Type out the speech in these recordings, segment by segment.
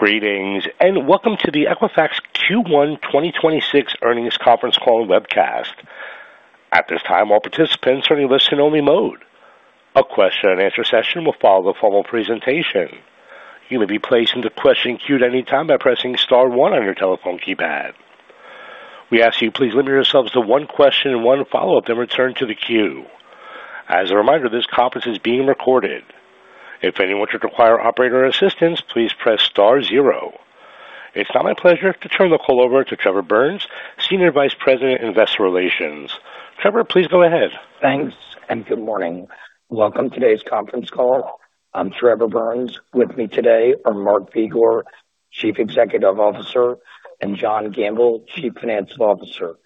Greetings, and welcome to the Equifax Q1 2026 earnings conference call webcast. At this time, all participants are in listen-only mode. A question-and-answer session will follow the formal presentation. You may be placed into the question queue at any time by pressing star one on your telephone keypad. We ask you please limit yourselves to one question and one follow-up, then return to the queue. As a reminder, this conference is being recorded. If anyone should require operator assistance, please press star zero. It's now my pleasure to turn the call over to Trevor Burns, Senior Vice President, Investor Relations. Trevor, please go ahead. Thanks, and good morning. Welcome to today's conference call. I'm Trevor Burns. With me today are Mark Begor, Chief Executive Officer, and John Gamble, Chief Financial Officer.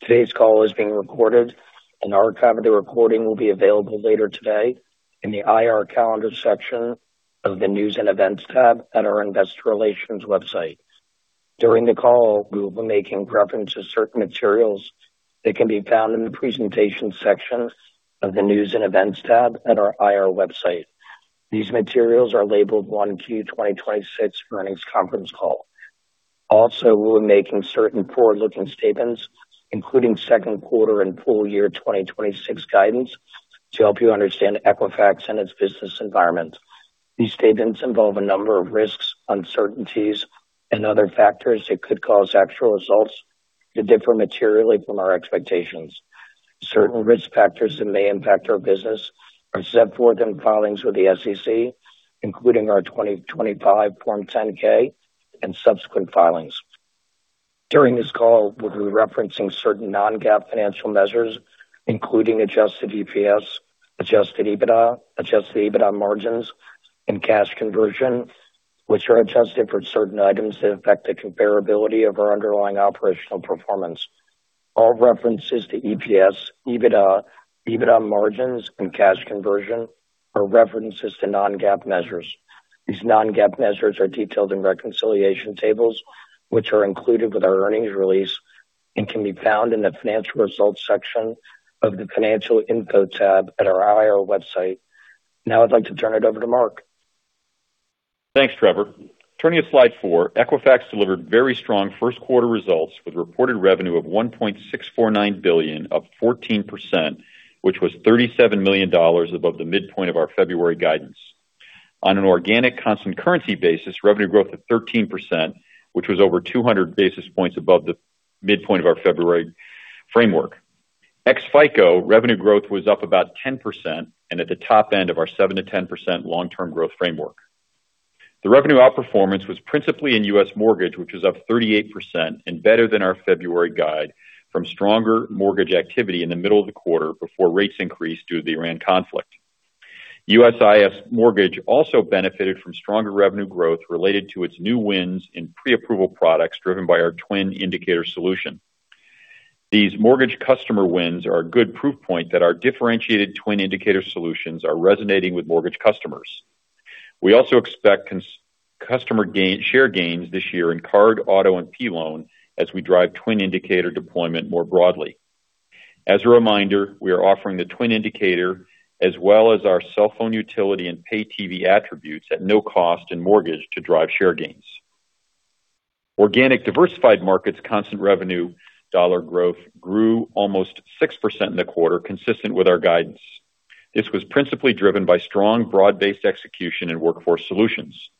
Today's call is being recorded. An archive of the recording will be available later today in the IR Calendar section of the News and Events tab at our Investor Relations website. During the call, we will be making reference to certain materials that can be found in the Presentations section of the News and Events tab at our IR website. These materials are labeled 1Q 2026 Earnings Conference Call. Also, we'll be making certain forward-looking statements, including second quarter and full year 2026 guidance to help you understand Equifax and its business environment. These statements involve a number of risks, uncertainties, and other factors that could cause actual results to differ materially from our expectations. Certain risk factors that may impact our business are set forth in filings with the SEC, including our 2025 Form 10-K and subsequent filings. During this call, we'll be referencing certain non-GAAP financial measures, including adjusted EPS, adjusted EBITDA, adjusted EBITDA margins, and cash conversion, which are adjusted for certain items that affect the comparability of our underlying operational performance. All references to EPS, EBITDA, EBITDA margins, and cash conversion are references to non-GAAP measures. These non-GAAP measures are detailed in reconciliation tables, which are included with our earnings release and can be found in the Financial Results section of the Financial Info tab at our IR website. Now I'd like to turn it over to Mark. Thanks, Trevor. Turning to slide four, Equifax delivered very strong first quarter results with reported revenue of $1.649 billion, up 14%, which was $37 million above the midpoint of our February guidance. On an organic constant currency basis, revenue growth of 13%, which was over 200 basis points above the midpoint of our February framework. Ex-FICO, revenue growth was up about 10% and at the top end of our 7%-10% long-term growth framework. The revenue outperformance was principally in U.S. mortgage, which was up 38% and better than our February guide from stronger mortgage activity in the middle of the quarter before rates increased due to the Iran conflict. USIS mortgage also benefited from stronger revenue growth related to its new wins in pre-approval products driven by our TWN Indicator solution. These mortgage customer wins are a good proof point that our differentiated TWN Indicator solutions are resonating with mortgage customers. We also expect customer share gains this year in card, auto, and P-Loan as we drive TWN Indicator deployment more broadly. As a reminder, we are offering the TWN Indicator as well as our cell phone utility and pay TV attributes at no cost in mortgage to drive share gains. Organic diversified markets constant revenue dollar growth grew almost 6% in the quarter consistent with our guidance. This was principally driven by strong broad-based execution in Workforce Solutions.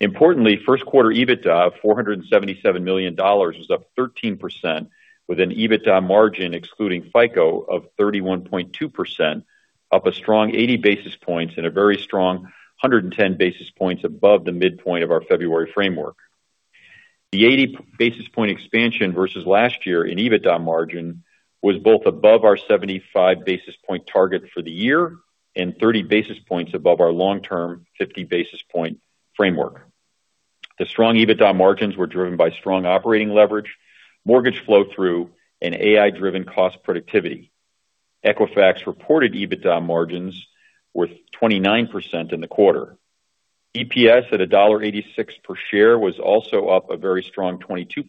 Importantly, first quarter EBITDA of $477 million was up 13%, with an EBITDA margin excluding FICO of 31.2%, up a strong 80 basis points and a very strong 110 basis points above the midpoint of our February framework. The 80 basis point-expansion versus last year in EBITDA margin was both above our 75 basis point-target for the year and 30 basis points above our long-term 50 basis point-framework. The strong EBITDA margins were driven by strong operating leverage, mortgage flow-through, and AI-driven cost productivity. Equifax reported EBITDA margins were 29% in the quarter. EPS at $1.86 per share was also up a very strong 22%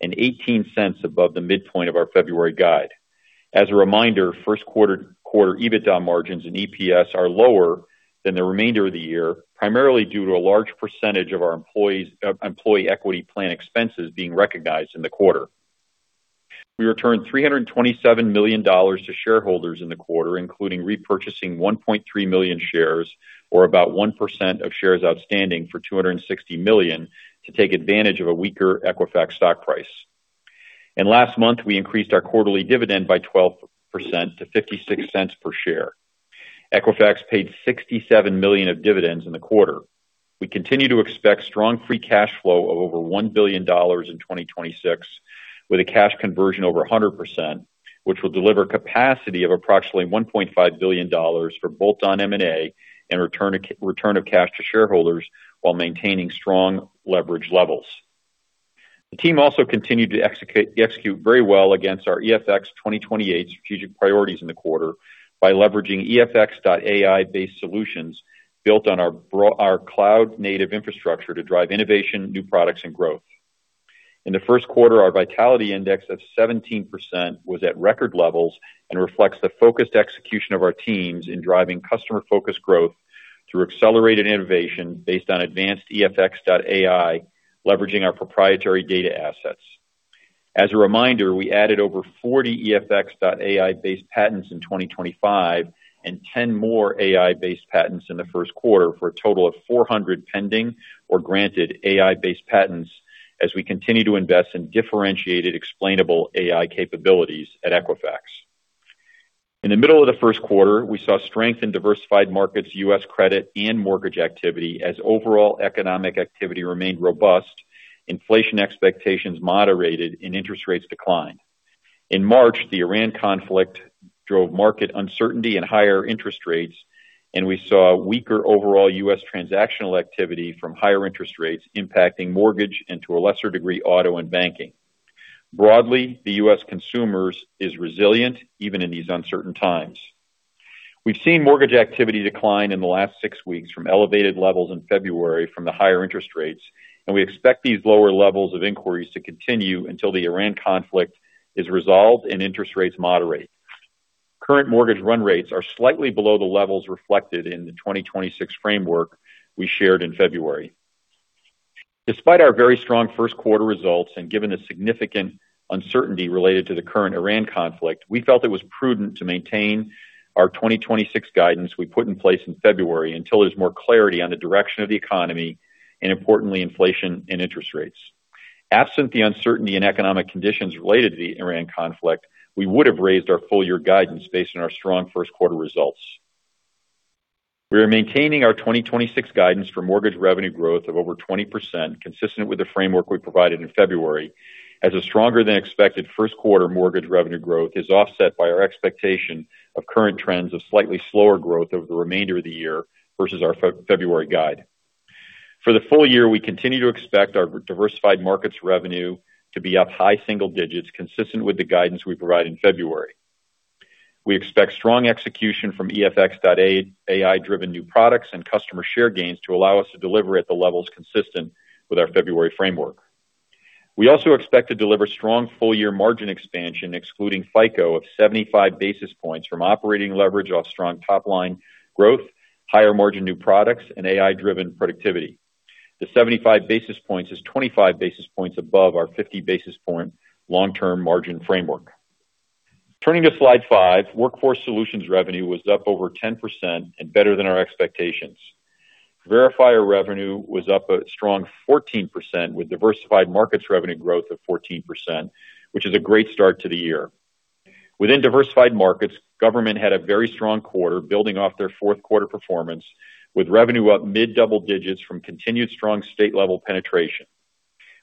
and $0.18 above the midpoint of our February guide. As a reminder, first quarter EBITDA margins and EPS are lower than the remainder of the year, primarily due to a large percentage of our employee equity plan expenses being recognized in the quarter. We returned $327 million to shareholders in the quarter, including repurchasing 1.3 million shares, or about 1% of shares outstanding for $260 million to take advantage of a weaker Equifax stock price. Last month, we increased our quarterly dividend by 12% to $0.56 per share. Equifax paid $67 million of dividends in the quarter. We continue to expect strong free cash flow of over $1 billion in 2026, with a cash conversion over 100%, which will deliver capacity of approximately $1.5 billion for both on M&A and return of cash to shareholders while maintaining strong leverage levels. The team also continued to execute very well against our EFX 2028 strategic priorities in the quarter by leveraging EFX.AI-based solutions built on our cloud-native infrastructure to drive innovation, new products, and growth. In the first quarter, our Vitality Index of 17% was at record levels and reflects the focused execution of our teams in driving customer-focused growth through accelerated innovation based on advanced EFX.AI, leveraging our proprietary data assets. As a reminder, we added over 40 EFX.AI-based patents in 2025 and 10 more AI-based patents in the first quarter for a total of 400 pending or granted AI-based patents as we continue to invest in differentiated explainable AI capabilities at Equifax. In the middle of the first quarter, we saw strength in diversified markets, U.S. credit, and mortgage activity as overall economic activity remained robust, inflation expectations moderated, and interest rates declined. In March, the Iran conflict drove market uncertainty and higher interest rates, and we saw weaker overall U.S. transactional activity from higher interest rates impacting mortgage and to a lesser degree, auto and banking. Broadly, the U.S. consumer is resilient, even in these uncertain times. We've seen mortgage activity decline in the last six weeks from elevated levels in February from the higher interest rates, and we expect these lower levels of inquiries to continue until the Iran conflict is resolved and interest rates moderate. Current mortgage run rates are slightly below the levels reflected in the 2026 framework we shared in February. Despite our very strong first quarter results and given the significant uncertainty related to the current Iran conflict, we felt it was prudent to maintain our 2026 guidance we put in place in February until there's more clarity on the direction of the economy, and importantly, inflation and interest rates. Absent the uncertainty in economic conditions related to the Iran conflict, we would have raised our full year guidance based on our strong first quarter results. We are maintaining our 2026 guidance for mortgage revenue growth of over 20%, consistent with the framework we provided in February, as a stronger than expected first quarter mortgage revenue growth is offset by our expectation of current trends of slightly slower growth over the remainder of the year versus our February guide. For the full year, we continue to expect our diversified markets revenue to be up high single digits, consistent with the guidance we provided in February. We expect strong execution from EFX.AI-driven new products and customer share gains to allow us to deliver at the levels consistent with our February framework. We also expect to deliver strong full year margin expansion excluding FICO of 75 basis points from operating leverage off strong top line growth, higher margin new products, and AI-driven productivity. The 75 basis points is 25 basis points above our 50 basis point long-term margin framework. Turning to slide five, Workforce Solutions revenue was up over 10% and better than our expectations. Verifier revenue was up a strong 14% with diversified markets revenue growth of 14%, which is a great start to the year. Within diversified markets, government had a very strong quarter building off their fourth quarter performance with revenue up mid-double digits from continued strong state-level penetration.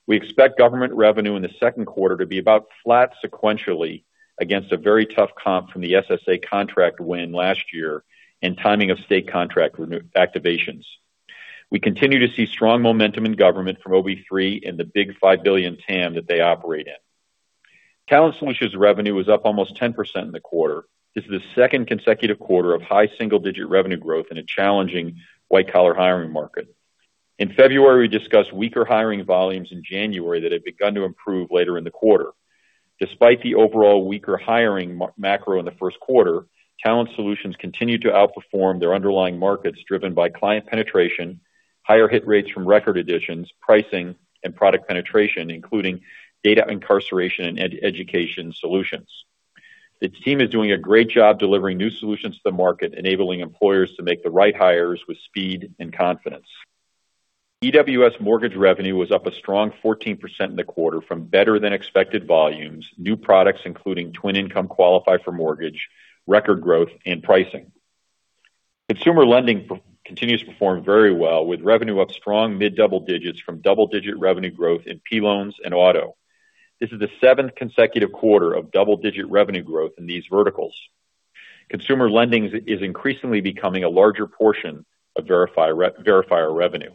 We expect government revenue in the second quarter to be about flat sequentially against a very tough comp from the SSA contract win last year and timing of state contract activations. We continue to see strong momentum in government from OB3 and the big $5 billion TAM that they operate in. Talent Solutions revenue was up almost 10% in the quarter. This is the second consecutive quarter of high single-digit revenue growth in a challenging white-collar hiring market. In February, we discussed weaker hiring volumes in January that had begun to improve later in the quarter. Despite the overall weaker hiring macro in the first quarter, Talent Solutions continued to outperform their underlying markets driven by client penetration, higher hit rates from record additions, pricing, and product penetration, including data and incarceration and education solutions. The team is doing a great job delivering new solutions to the market, enabling employers to make the right hires with speed and confidence. EWS mortgage revenue was up a strong 14% in the quarter from better than expected volumes, new products including TWN Income Qualify for mortgage, record growth, and pricing. Consumer lending continues to perform very well, with revenue up strong mid-double digits from double-digit revenue growth in P-Loans and auto. This is the seventh consecutive quarter of double-digit revenue growth in these verticals. Consumer lending is increasingly becoming a larger portion of Verifier revenue.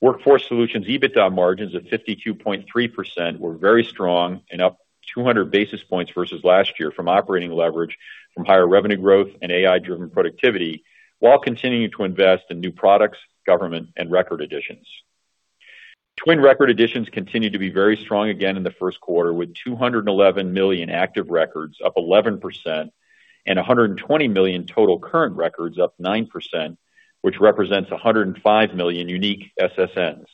Workforce Solutions EBITDA margins of 52.3% were very strong and up 200 basis points versus last year from operating leverage from higher revenue growth and AI-driven productivity while continuing to invest in new products, government, and record additions. TWN record additions continued to be very strong again in the first quarter, with 211 million active records up 11% and 120 million total current records up 9%, which represents 105 million unique SSNs.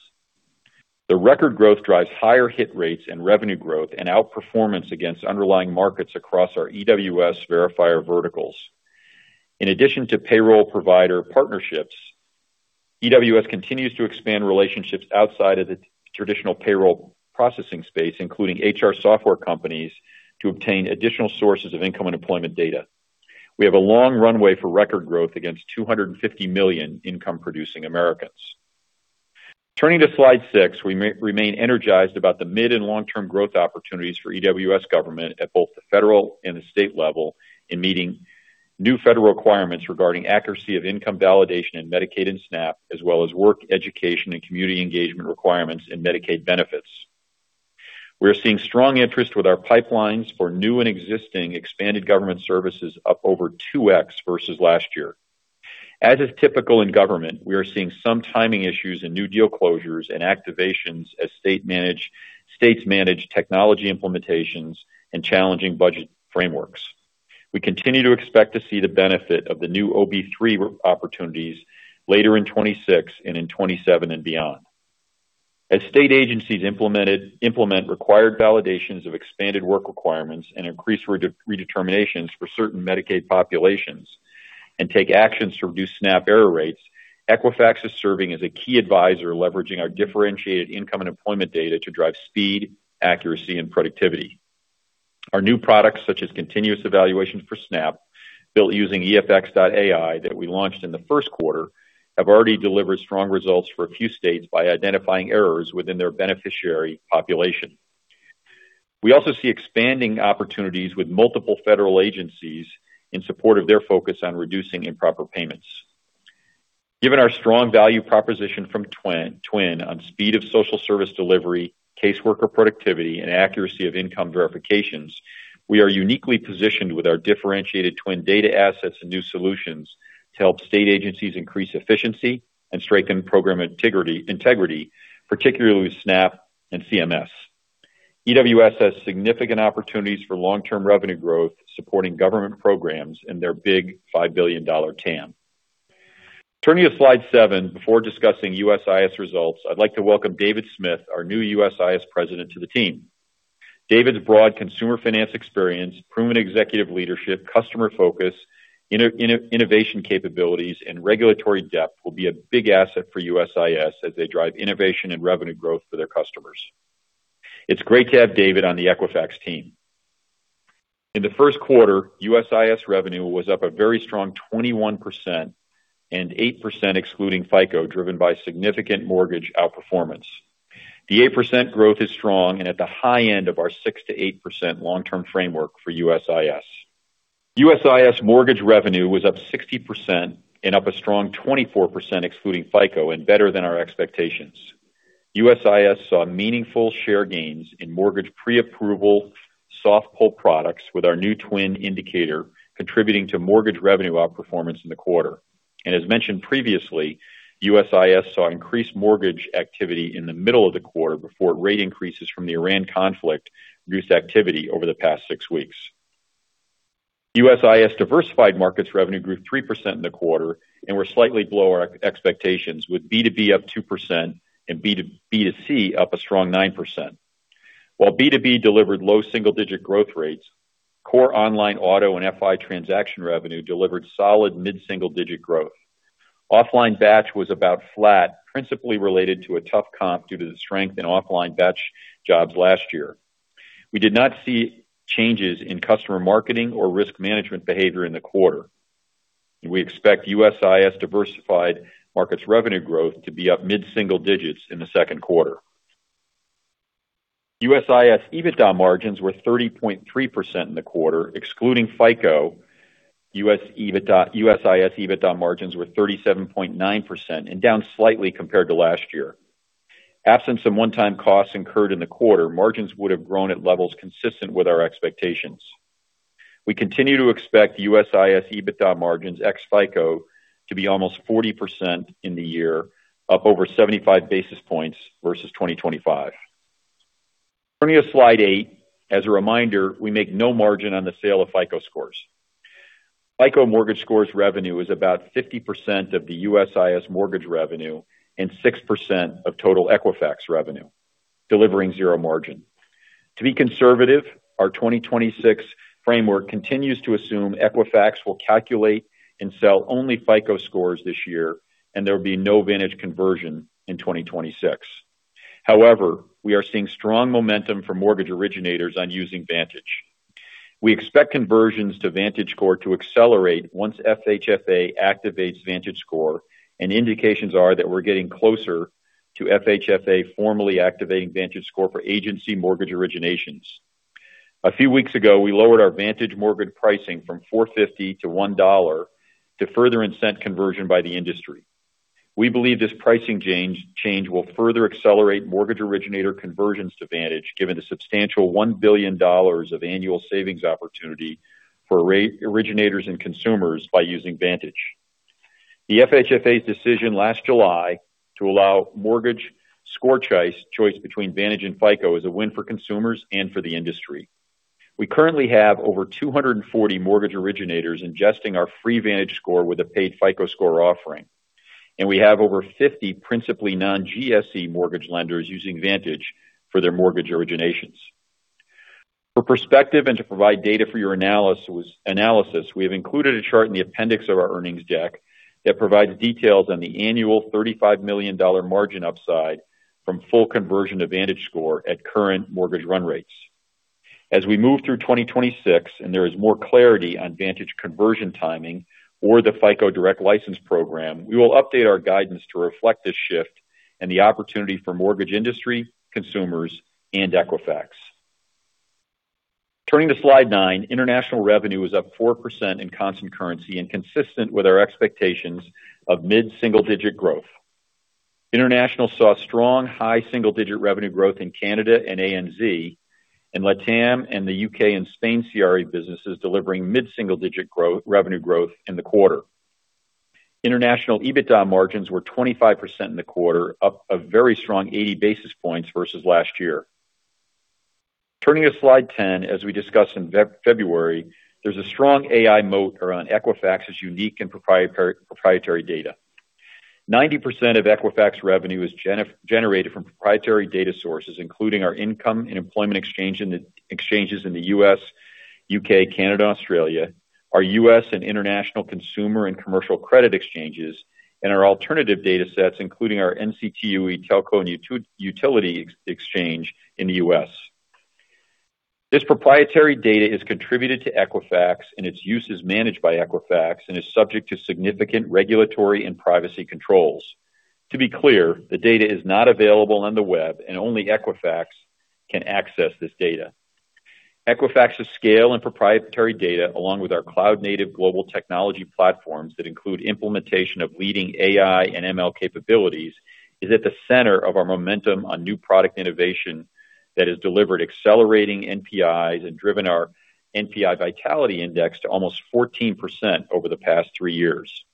The record growth drives higher hit rates and revenue growth and outperformance against underlying markets across our EWS Verifier verticals. In addition to payroll provider partnerships, EWS continues to expand relationships outside of the traditional payroll processing space, including HR software companies, to obtain additional sources of income and employment data. We have a long runway for record growth against 250 million income-producing Americans. Turning to slide six, we remain energized about the mid- and long-term growth opportunities for EWS government at both the federal and the state level in meeting new federal requirements regarding accuracy of income validation in Medicaid and SNAP, as well as work, education, and community engagement requirements in Medicaid benefits. We're seeing strong interest with our pipelines for new and existing expanded government services up over 2x versus last year. As is typical in government, we are seeing some timing issues in new deal closures and activations as states manage technology implementations and challenging budget frameworks. We continue to expect to see the benefit of the new OB3 opportunities later in 2026 and in 2027 and beyond. As state agencies implement required validations of expanded work requirements and increase redeterminations for certain Medicaid populations and take actions to reduce SNAP error rates, Equifax is serving as a key advisor, leveraging our differentiated income and employment data to drive speed, accuracy, and productivity. Our new products, such as Continuous Evaluation for SNAP, built using EFX.AI that we launched in the first quarter, have already delivered strong results for a few states by identifying errors within their beneficiary population. We also see expanding opportunities with multiple federal agencies in support of their focus on reducing improper payments. Given our strong value proposition from TWN on speed of social service delivery, caseworker productivity, and accuracy of income verifications, we are uniquely positioned with our differentiated TWN data assets and new solutions to help state agencies increase efficiency and strengthen program integrity, particularly with SNAP and CMS. EWS has significant opportunities for long-term revenue growth, supporting government programs in their big $5 billion TAM. Turning to slide seven, before discussing USIS results, I'd like to welcome David Smith, our new USIS President, to the team. David's broad consumer finance experience, proven executive leadership, customer focus, innovation capabilities, and regulatory depth will be a big asset for USIS as they drive innovation and revenue growth for their customers. It's great to have David on the Equifax team. In the first quarter, USIS revenue was up a very strong 21% and 8% excluding FICO, driven by significant mortgage outperformance. The 8% growth is strong and at the high end of our 6%-8% long-term framework for USIS. USIS mortgage revenue was up 60% and up a strong 24% excluding FICO and better than our expectations. USIS saw meaningful share gains in mortgage pre-approval soft pull products with our new TWN Indicator contributing to mortgage revenue outperformance in the quarter. As mentioned previously, USIS saw increased mortgage activity in the middle of the quarter before rate increases from the Iran conflict reduced activity over the past six weeks. USIS diversified markets revenue grew 3% in the quarter and were slightly below our expectations, with B2B up 2% and B2C up a strong 9%. While B2B delivered low single-digit growth rates, core online auto and FI transaction revenue delivered solid mid-single-digit growth. Offline batch was about flat, principally related to a tough comp due to the strength in offline batch jobs last year. We did not see changes in customer marketing or risk management behavior in the quarter. We expect USIS diversified markets revenue growth to be up mid-single digits in the second quarter. USIS EBITDA margins were 30.3% in the quarter excluding FICO. USIS EBITDA margins were 37.9%, down slightly compared to last year. In the absence of one-time costs incurred in the quarter, margins would have grown at levels consistent with our expectations. We continue to expect USIS EBITDA margins ex-FICO to be almost 40% in the year, up over 75 basis points versus 2025. Turning to slide eight. As a reminder, we make no margin on the sale of FICO scores. FICO mortgage scores revenue is about 50% of the USIS mortgage revenue and 6% of total Equifax revenue, delivering zero margin. To be conservative, our 2026 framework continues to assume Equifax will calculate and sell only FICO scores this year, and there will be no Vantage conversion in 2026. However, we are seeing strong momentum for mortgage originators on using Vantage. We expect conversions to VantageScore to accelerate once FHFA activates VantageScore, and indications are that we're getting closer to FHFA formally activating VantageScore for agency mortgage originations. A few weeks ago, we lowered our Vantage mortgage pricing from $4.50 to $1 to further incent conversion by the industry. We believe this pricing change will further accelerate mortgage originator conversions to Vantage, given the substantial $1 billion of annual savings opportunity for originators and consumers by using Vantage. The FHFA's decision last July to allow mortgage score choice between Vantage and FICO is a win for consumers and for the industry. We currently have over 240 mortgage originators ingesting our free VantageScore with a paid FICO score offering, and we have over 50 principally non-GSE mortgage lenders using Vantage for their mortgage originations. For perspective and to provide data for your analysis, we have included a chart in the appendix of our earnings deck that provides details on the annual $35 million margin upside from full conversion to VantageScore at current mortgage run rates. As we move through 2026 and there is more clarity on Vantage conversion timing or the FICO Direct License Program, we will update our guidance to reflect this shift and the opportunity for mortgage industry, consumers, and Equifax. Turning to slide nine. International revenue was up 4% in constant currency and consistent with our expectations of mid-single-digit growth. International saw strong high single-digit revenue growth in Canada and ANZ, and LATAM and the U.K. and Spain CRA businesses delivering mid-single-digit revenue growth in the quarter. International EBITDA margins were 25% in the quarter, up a very strong 80 basis points versus last year. Turning to slide 10, as we discussed in February, there's a strong AI moat around Equifax's unique and proprietary data. 90% of Equifax revenue is generated from proprietary data sources, including our income and employment exchanges in the U.S., U.K., Canada, Australia, our U.S. and international consumer and commercial credit exchanges, and our alternative data sets, including our NCTUE telco and utility exchange in the U.S. This proprietary data is contributed to Equifax, and its use is managed by Equifax and is subject to significant regulatory and privacy controls. To be clear, the data is not available on the web, and only Equifax can access this data. Equifax's scale and proprietary data, along with our cloud-native global technology platforms that include implementation of leading AI and ML capabilities, is at the center of our momentum on new product innovation that has delivered accelerating NPIs and driven our NPI Vitality Index to almost 14% over the past three years.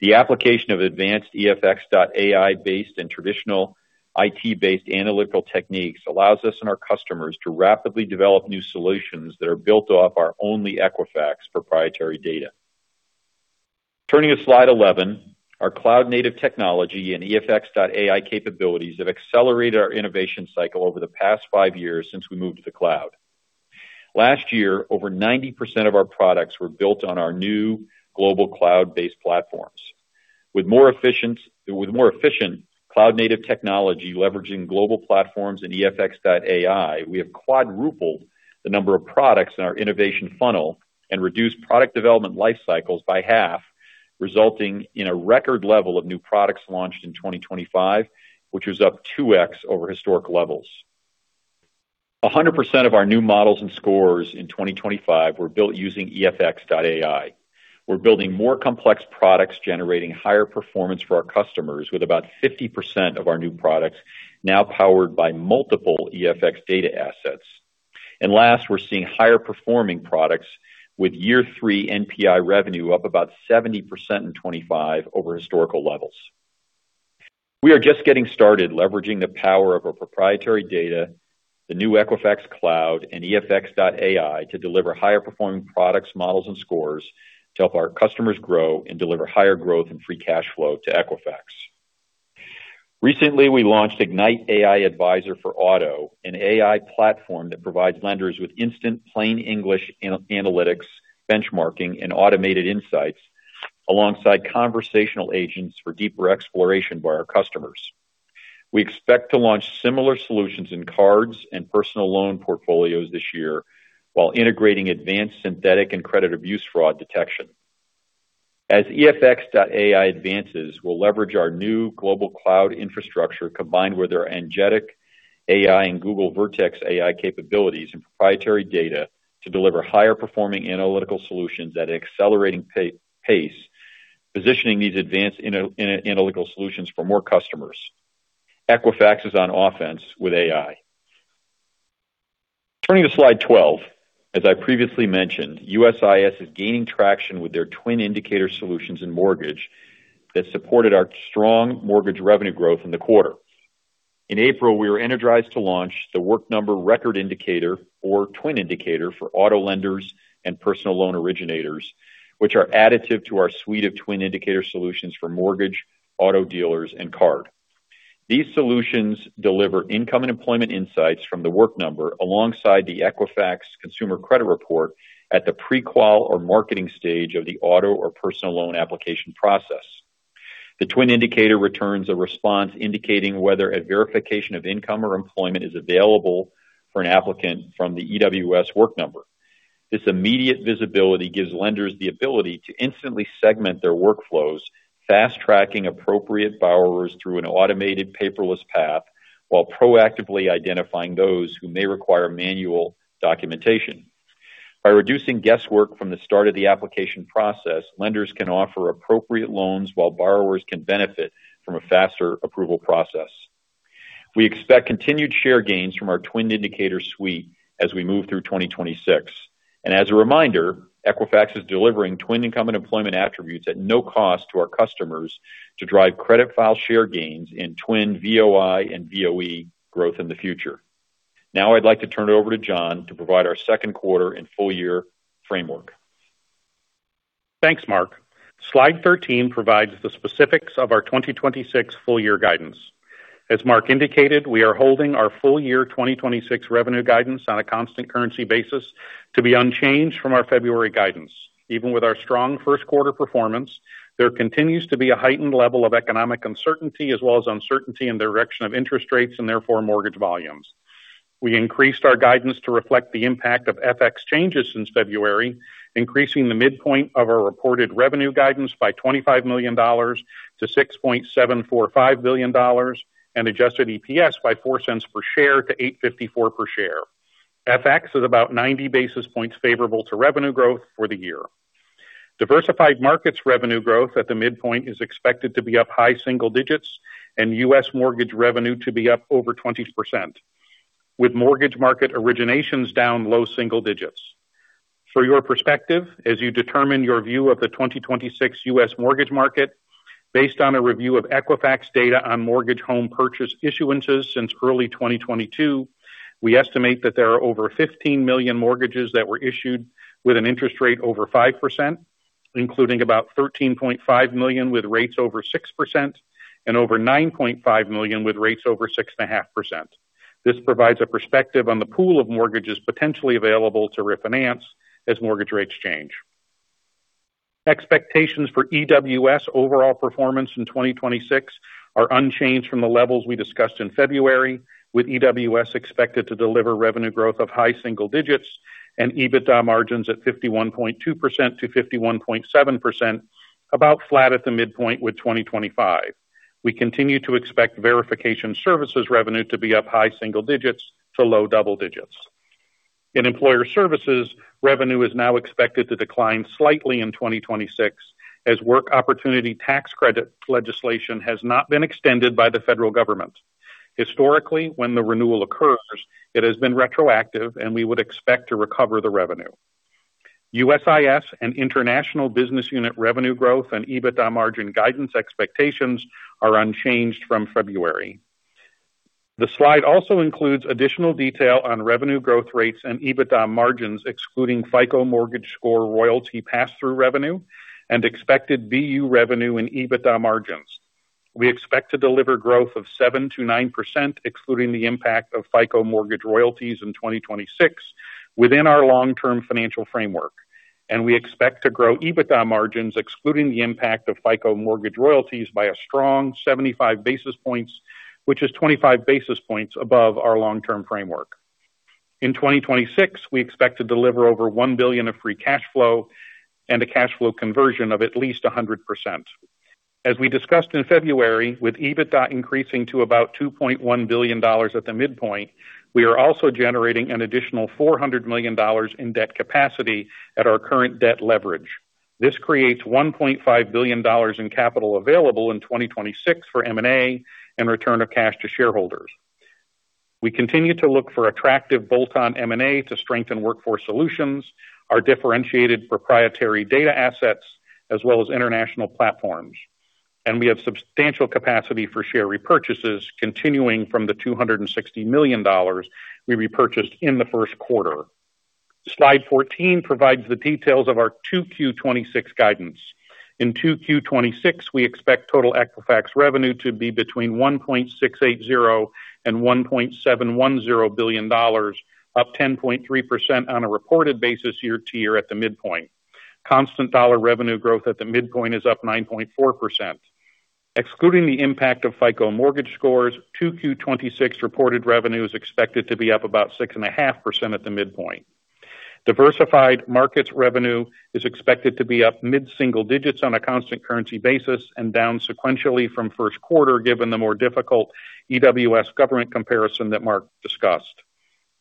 The application of advanced EFX.AI-based and traditional IT-based analytical techniques allows us and our customers to rapidly develop new solutions that are built off our only Equifax proprietary data. Turning to slide 11, our cloud-native technology and EFX.AI capabilities have accelerated our innovation cycle over the past five years since we moved to the cloud. Last year, over 90% of our products were built on our new global cloud-based platforms. With more efficient cloud-native technology leveraging global platforms and EFX.AI, we have quadrupled the number of products in our innovation funnel and reduced product development life cycles by half, resulting in a record level of new products launched in 2025, which was up 2x over historic levels. 100% of our new models and scores in 2025 were built using EFX.AI. We're building more complex products, generating higher performance for our customers with about 50% of our new products now powered by multiple EFX data assets. Last, we're seeing higher performing products with year three NPI revenue up about 70% in 2025 over historical levels. We are just getting started leveraging the power of our proprietary data, the new Equifax Cloud, and EFX.AI to deliver higher performing products, models, and scores to help our customers grow and deliver higher growth and free cash flow to Equifax. Recently, we launched Ignite AI Advisor for auto, an AI platform that provides lenders with instant plain English analytics, benchmarking, and automated insights alongside conversational agents for deeper exploration by our customers. We expect to launch similar solutions in cards and personal loan portfolios this year while integrating advanced synthetic and credit abuse fraud detection. As EFX.AI advances, we'll leverage our new global cloud infrastructure combined with our agentic AI and Google Vertex AI capabilities and proprietary data to deliver higher performing analytical solutions at an accelerating pace, positioning these advanced analytical solutions for more customers. Equifax is on offense with AI. Turning to slide 12. As I previously mentioned, USIS is gaining traction with their TWN Indicator solutions in mortgage that supported our strong mortgage revenue growth in the quarter. In April, we were energized to launch The Work Number Record Indicator, or TWN Indicator, for auto lenders and personal loan originators, which are additive to our suite of TWN Indicator solutions for mortgage, auto dealers, and card. These solutions deliver income and employment insights from The Work Number alongside the Equifax Consumer Credit Report at the pre-qual or marketing stage of the auto or personal loan application process. The TWN Indicator returns a response indicating whether a verification of income or employment is available for an applicant from the EWS Work Number. This immediate visibility gives lenders the ability to instantly segment their workflows, fast-tracking appropriate borrowers through an automated paperless path while proactively identifying those who may require manual documentation. By reducing guesswork from the start of the application process, lenders can offer appropriate loans while borrowers can benefit from a faster approval process. We expect continued share gains from our TWN Indicator suite as we move through 2026. As a reminder, Equifax is delivering TWN income and employment attributes at no cost to our customers to drive credit file share gains in TWN VOI and VOE growth in the future. Now I'd like to turn it over to John to provide our second quarter and full year framework. Thanks, Mark. Slide 13 provides the specifics of our 2026 full year guidance. As Mark indicated, we are holding our full year 2026 revenue guidance on a constant currency basis to be unchanged from our February guidance. Even with our strong first quarter performance, there continues to be a heightened level of economic uncertainty as well as uncertainty in the direction of interest rates and therefore mortgage volumes. We increased our guidance to reflect the impact of FX changes since February, increasing the midpoint of our reported revenue guidance by $25 million to $6.745 billion and adjusted EPS by $0.04 per share to $8.54 per share. FX is about 90 basis points favorable to revenue growth for the year. Diversified markets revenue growth at the midpoint is expected to be up high single digits and U.S. mortgage revenue to be up over 20%, with mortgage market originations down low single digits. For your perspective, as you determine your view of the 2026 U.S. mortgage market, based on a review of Equifax data on mortgage home purchase issuances since early 2022, we estimate that there are over 15 million mortgages that were issued with an interest rate over 5%, including about 13.5 million with rates over 6% and over 9.5 million with rates over 6.5%. This provides a perspective on the pool of mortgages potentially available to refinance as mortgage rates change. Expectations for EWS overall performance in 2026 are unchanged from the levels we discussed in February, with EWS expected to deliver revenue growth of high single digits and EBITDA margins at 51.2%-51.7%, about flat at the midpoint with 2025. We continue to expect verification services revenue to be up high single digits to low double digits. In employer services, revenue is now expected to decline slightly in 2026 as Work Opportunity Tax Credit legislation has not been extended by the federal government. Historically, when the renewal occurs, it has been retroactive, and we would expect to recover the revenue. USIS and international business unit revenue growth and EBITDA margin guidance expectations are unchanged from February. The slide also includes additional detail on revenue growth rates and EBITDA margins, excluding FICO mortgage score royalty pass-through revenue and expected BU revenue and EBITDA margins. We expect to deliver growth of 7%-9%, excluding the impact of FICO mortgage royalties in 2026 within our long-term financial framework. We expect to grow EBITDA margins excluding the impact of FICO mortgage royalties by a strong 75 basis points, which is 25 basis points above our long-term framework. In 2026, we expect to deliver over $1 billion of free cash flow and a cash flow conversion of at least 100%. As we discussed in February, with EBITDA increasing to about $2.1 billion at the midpoint, we are also generating an additional $400 million in debt capacity at our current debt leverage. This creates $1.5 billion in capital available in 2026 for M&A and return of cash to shareholders. We continue to look for attractive bolt-on M&A to strengthen Workforce Solutions, our differentiated proprietary data assets, as well as international platforms. We have substantial capacity for share repurchases continuing from the $260 million we repurchased in the first quarter. Slide 14 provides the details of our 2Q 2026 guidance. In 2Q 2026, we expect total Equifax revenue to be between $1.680 billion and $1.710 billion, up 10.3% on a reported basis year-to-year at the midpoint. Constant dollar revenue growth at the midpoint is up 9.4%. Excluding the impact of FICO mortgage scores, 2Q 2026 reported revenue is expected to be up about 6.5% at the midpoint. Diversified markets revenue is expected to be up mid-single digits on a constant currency basis and down sequentially from first quarter, given the more difficult EWS government comparison that Mark discussed.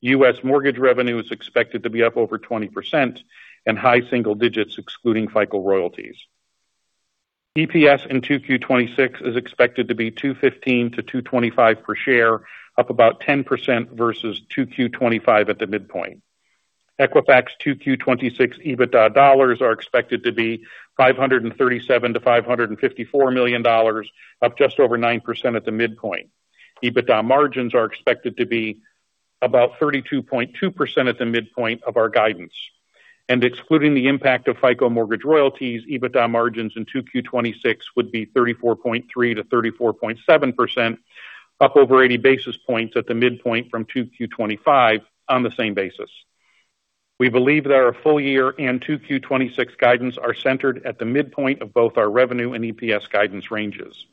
U.S. mortgage revenue is expected to be up over 20% and high single digits excluding FICO royalties. EPS in 2Q 2026 is expected to be $2.15-$2.25 per share, up about 10% versus 2Q 2025 at the midpoint. Equifax 2Q 2026 EBITDA dollars are expected to be $537 million-$554 million, up just over 9% at the midpoint. EBITDA margins are expected to be about 32.2% at the midpoint of our guidance. Excluding the impact of FICO mortgage royalties, EBITDA margins in 2Q 2026 would be 34.3%-34.7%, up over 80 basis points at the midpoint from 2Q 2025 on the same basis. We believe that our full year and 2Q 2026 guidance are centered at the midpoint of both our revenue and EPS guidance ranges.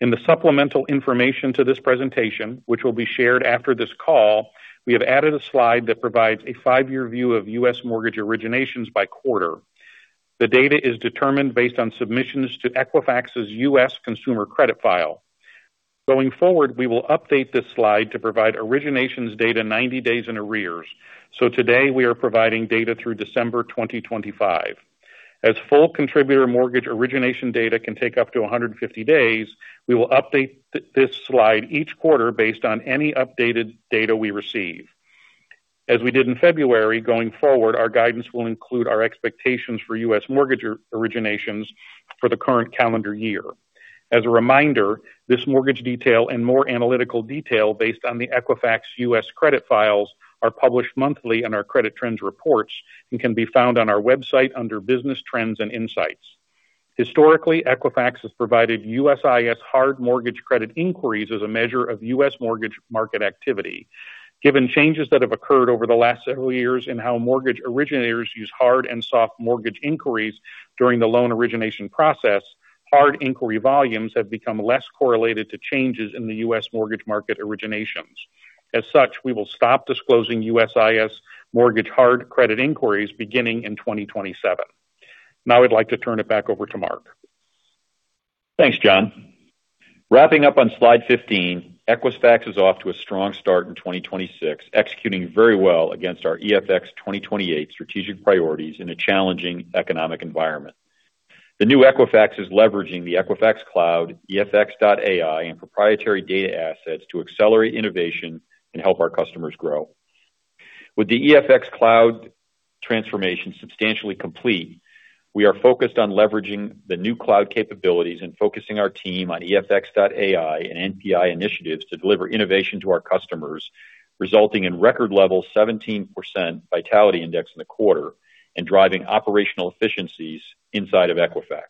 In the supplemental information to this presentation, which will be shared after this call, we have added a slide that provides a five-year view of U.S. mortgage originations by quarter. The data is determined based on submissions to Equifax's U.S. consumer credit file. Going forward, we will update this slide to provide originations data 90 days in arrears. Today, we are providing data through December 2025. As full contributor mortgage origination data can take up to 150 days, we will update this slide each quarter based on any updated data we receive. As we did in February, going forward, our guidance will include our expectations for U.S. mortgage originations for the current calendar year. As a reminder, this mortgage detail and more analytical detail based on the Equifax U.S. credit files are published monthly in our Credit Trends reports and can be found on our website under Business Trends & Insights. Historically, Equifax has provided USIS hard mortgage credit inquiries as a measure of U.S. mortgage market activity. Given changes that have occurred over the last several years in how mortgage originators use hard and soft mortgage inquiries during the loan origination process, hard inquiry volumes have become less correlated to changes in the U.S. mortgage market originations. As such, we will stop disclosing USIS mortgage hard credit inquiries beginning in 2027. Now I'd like to turn it back over to Mark. Thanks, John. Wrapping up on slide 15, Equifax is off to a strong start in 2026, executing very well against our EFX 2028 strategic priorities in a challenging economic environment. The new Equifax is leveraging the Equifax Cloud, EFX.AI, and proprietary data assets to accelerate innovation and help our customers grow. With the EFX Cloud transformation substantially complete, we are focused on leveraging the new cloud capabilities and focusing our team on EFX.AI and NPI initiatives to deliver innovation to our customers, resulting in record-level 17% Vitality Index in the quarter, and driving operational efficiencies inside of Equifax.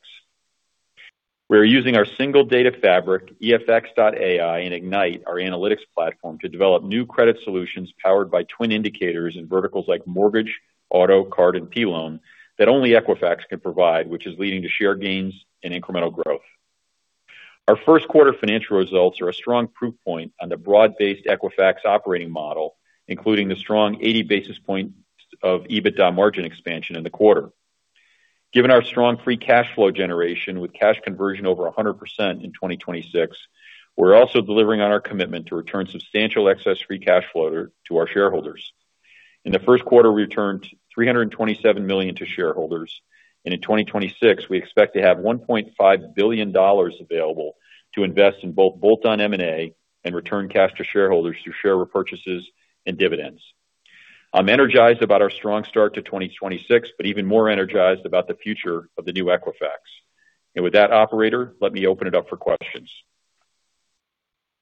We are using our single data fabric, EFX.AI, and Ignite, our analytics platform, to develop new credit solutions powered by TWN Indicators in verticals like mortgage, auto, card, and P-Loan that only Equifax can provide, which is leading to share gains and incremental growth. Our first quarter financial results are a strong proof point on the broad-based Equifax operating model, including the strong 80 basis points of EBITDA margin expansion in the quarter. Given our strong free cash flow generation with cash conversion over 100% in 2026, we're also delivering on our commitment to return substantial excess free cash flow to our shareholders. In the first quarter, we returned $327 million to shareholders, and in 2026, we expect to have $1.5 billion available to invest in both bolt-on M&A and return cash to shareholders through share repurchases and dividends. I'm energized about our strong start to 2026, but even more energized about the future of the new Equifax. With that, operator, let me open it up for questions.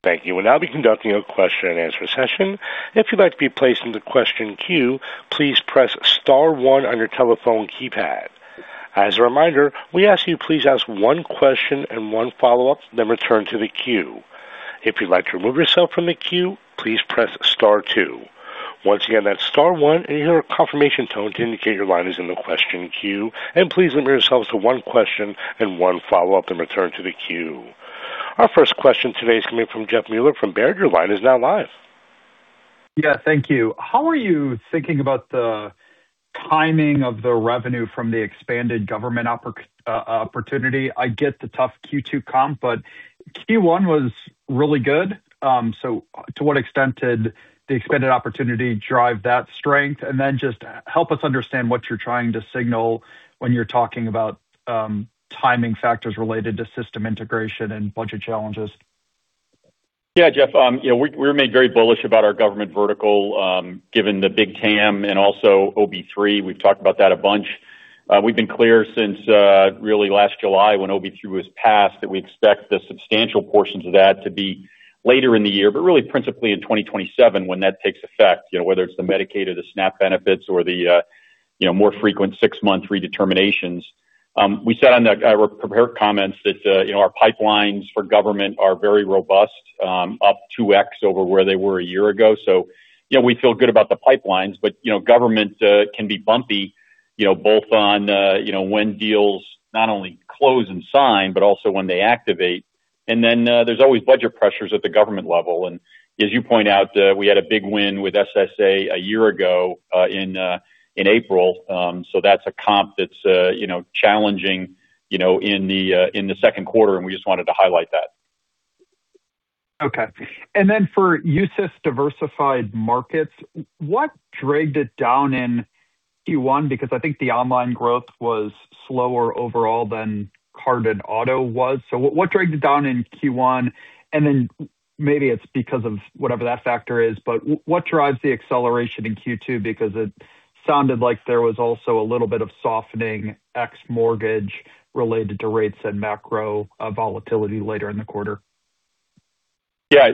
Thank you. We'll now be conducting a question-and-answer session. If you'd like to be placed in the question queue, please press star one on your telephone keypad. As a reminder, we ask you please ask one question and one follow-up, then return to the queue. If you'd like to remove yourself from the queue, please press star two. Once you have that star one and you hear a confirmation tone to indicate your line is in the question queue, and please limit yourselves to one question and one follow-up, then return to the queue. Our first question today is coming from Jeff Meuler from Baird. Your line is now live. Yeah, thank you. How are you thinking about the timing of the revenue from the expanded government opportunity? I get the tough Q2 comp, but Q1 was really good. To what extent did the expanded opportunity drive that strength? Then just help us understand what you're trying to signal when you're talking about timing factors related to system integration and budget challenges. Yeah. Jeff, we remain very bullish about our government vertical, given the big TAM and also OB3. We've talked about that a bunch. We've been clear since early last July when OB3 was passed, that we expect the substantial portions of that to be later in the year, but really principally in 2027 when that takes effect, whether it's the Medicaid or the SNAP benefits or the more frequent six-month redeterminations. We said in our prepared comments that our pipelines for government are very robust, up 2x over where they were a year ago. We feel good about the pipelines, but government can be bumpy both on when deals not only close and sign, but also when they activate. Then there's always budget pressures at the government level. As you point out, we had a big win with SSA a year ago in April. That's a comp that's challenging in the second quarter, and we just wanted to highlight that. Okay. Then for USIS diversified markets, what dragged it down in Q1? Because I think the online growth was slower overall than card and auto was. What dragged it down in Q1? Then maybe it's because of whatever that factor is, but what drives the acceleration in Q2? Because it sounded like there was also a little bit of softening ex-mortgage related to rates and macro volatility later in the quarter. Yeah.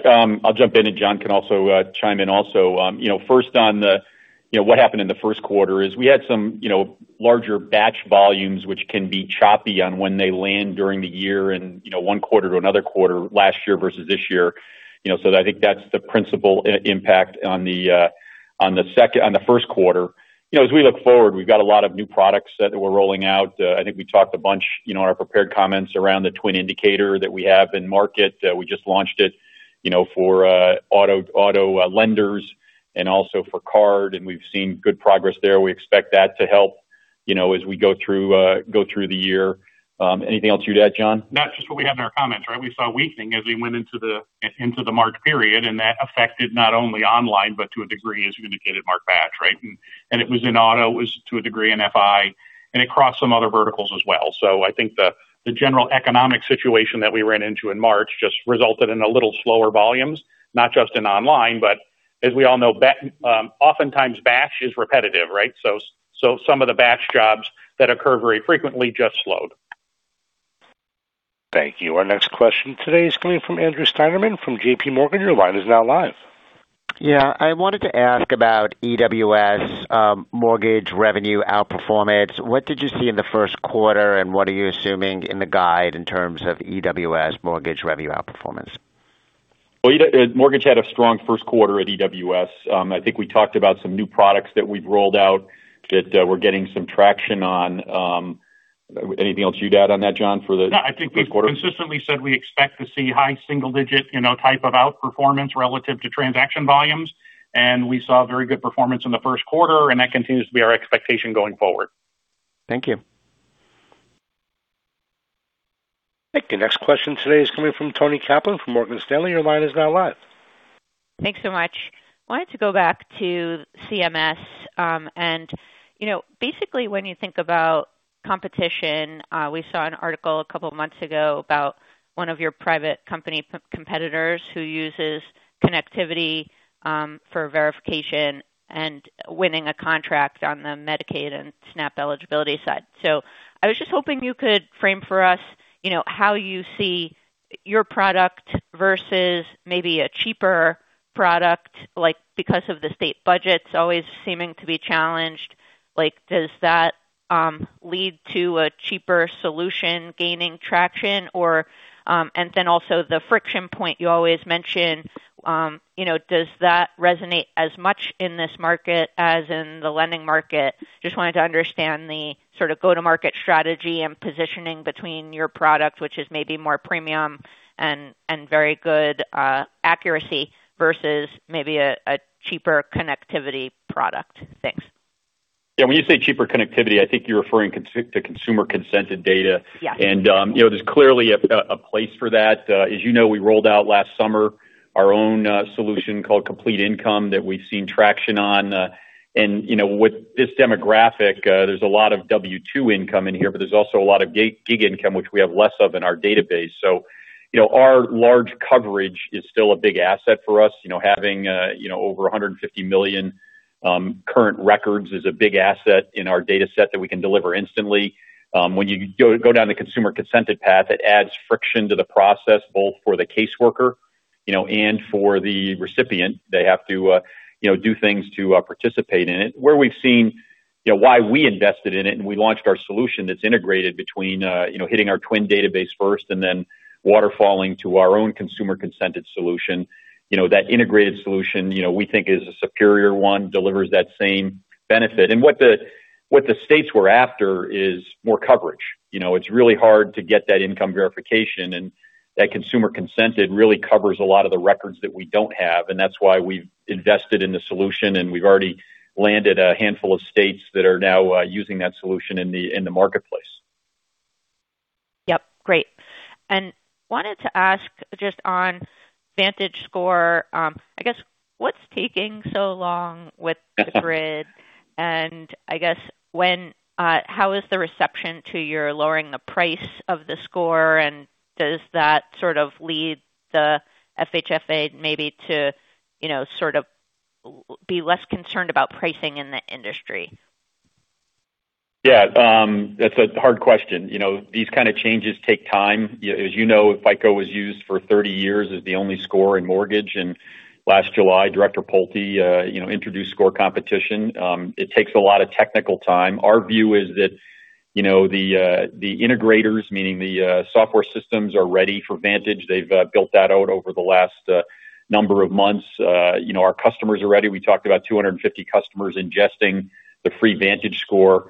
I'll jump in, and John can also chime in also. First on what happened in the first quarter is we had some larger batch volumes, which can be choppy on when they land during the year and one quarter to another quarter last year versus this year. I think that's the principal impact on the first quarter. As we look forward, we've got a lot of new products that we're rolling out. I think we talked a bunch in our prepared comments around the TWN Indicator that we have in market. We just launched it for auto lenders and also for card, and we've seen good progress there. We expect that to help as we go through the year. Anything else you'd add, John? That's just what we had in our comments, right? We saw weakening as we went into the March period, and that affected not only online, but to a degree, as you indicated, Mark, batch, right? It was in auto, it was to a degree in FI and across some other verticals as well. I think the general economic situation that we ran into in March just resulted in a little slower volumes, not just in online, but as we all know, oftentimes batch is repetitive, right? Some of the batch jobs that occur very frequently just slowed. Thank you. Our next question today is coming from Andrew Steinerman from JPMorgan. Your line is now live. Yeah. I wanted to ask about EWS mortgage revenue outperformance. What did you see in the first quarter, and what are you assuming in the guide in terms of EWS mortgage revenue outperformance? Mortgage had a strong first quarter at EWS. I think we talked about some new products that we've rolled out that we're getting some traction on. Anything else you'd add on that, John, for the first quarter? No, I think we've consistently said we expect to see high-single-digit type of outperformance relative to transaction volumes. We saw very good performance in the first quarter, and that continues to be our expectation going forward. Thank you. Thank you. Next question today is coming from Toni Kaplan from Morgan Stanley. Your line is now live. Thanks so much. I wanted to go back to CMS and basically when you think about competition, we saw an article a couple of months ago about one of your private company competitors who uses connectivity for verification and winning a contract on the Medicaid and SNAP eligibility side. I was just hoping you could frame for us how you see your product versus maybe a cheaper product, because of the state budgets always seeming to be challenged. Does that lead to a cheaper solution gaining traction? Then also the friction point you always mention, does that resonate as much in this market as in the lending market? I just wanted to understand the go-to-market strategy and positioning between your product, which is maybe more premium and very good accuracy versus maybe a cheaper connectivity product. Thanks. Yeah. When you say cheaper connectivity, I think you're referring to consumer-consented data. Yes. There's clearly a place for that. As you know, we rolled out last summer our own solution called Complete Income that we've seen traction on. With this demographic, there's a lot of W-2 income in here, but there's also a lot of gig income, which we have less of in our database. Our large coverage is still a big asset for us. Having over 150 million current records is a big asset in our data set that we can deliver instantly. When you go down the consumer-consented path, it adds friction to the process, both for the caseworker and for the recipient. They have to do things to participate in it. Where we've seen, why we invested in it and we launched our solution that's integrated between hitting our TWN database first and then waterfalling to our own consumer-consented solution. That integrated solution, we think is a superior one, delivers that same benefit. What the states were after is more coverage. It's really hard to get that income verification, and that consumer consented really covers a lot of the records that we don't have, and that's why we've invested in the solution. We've already landed a handful of states that are now using that solution in the marketplace. Yep. Great. Wanted to ask just on VantageScore, I guess, what's taking so long with the grid, and I guess how is the reception to your lowering the price of the score, and does that sort of lead the FHFA maybe to be less concerned about pricing in the industry? Yeah. That's a hard question. These kinds of changes take time. As you know, FICO was used for 30 years as the only score in mortgage. Last July, Director Pulte introduced score competition. It takes a lot of technical time. Our view is that the integrators, meaning the software systems, are ready for Vantage. They've built that out over the last number of months. Our customers are ready. We talked about 250 customers ingesting the free VantageScore.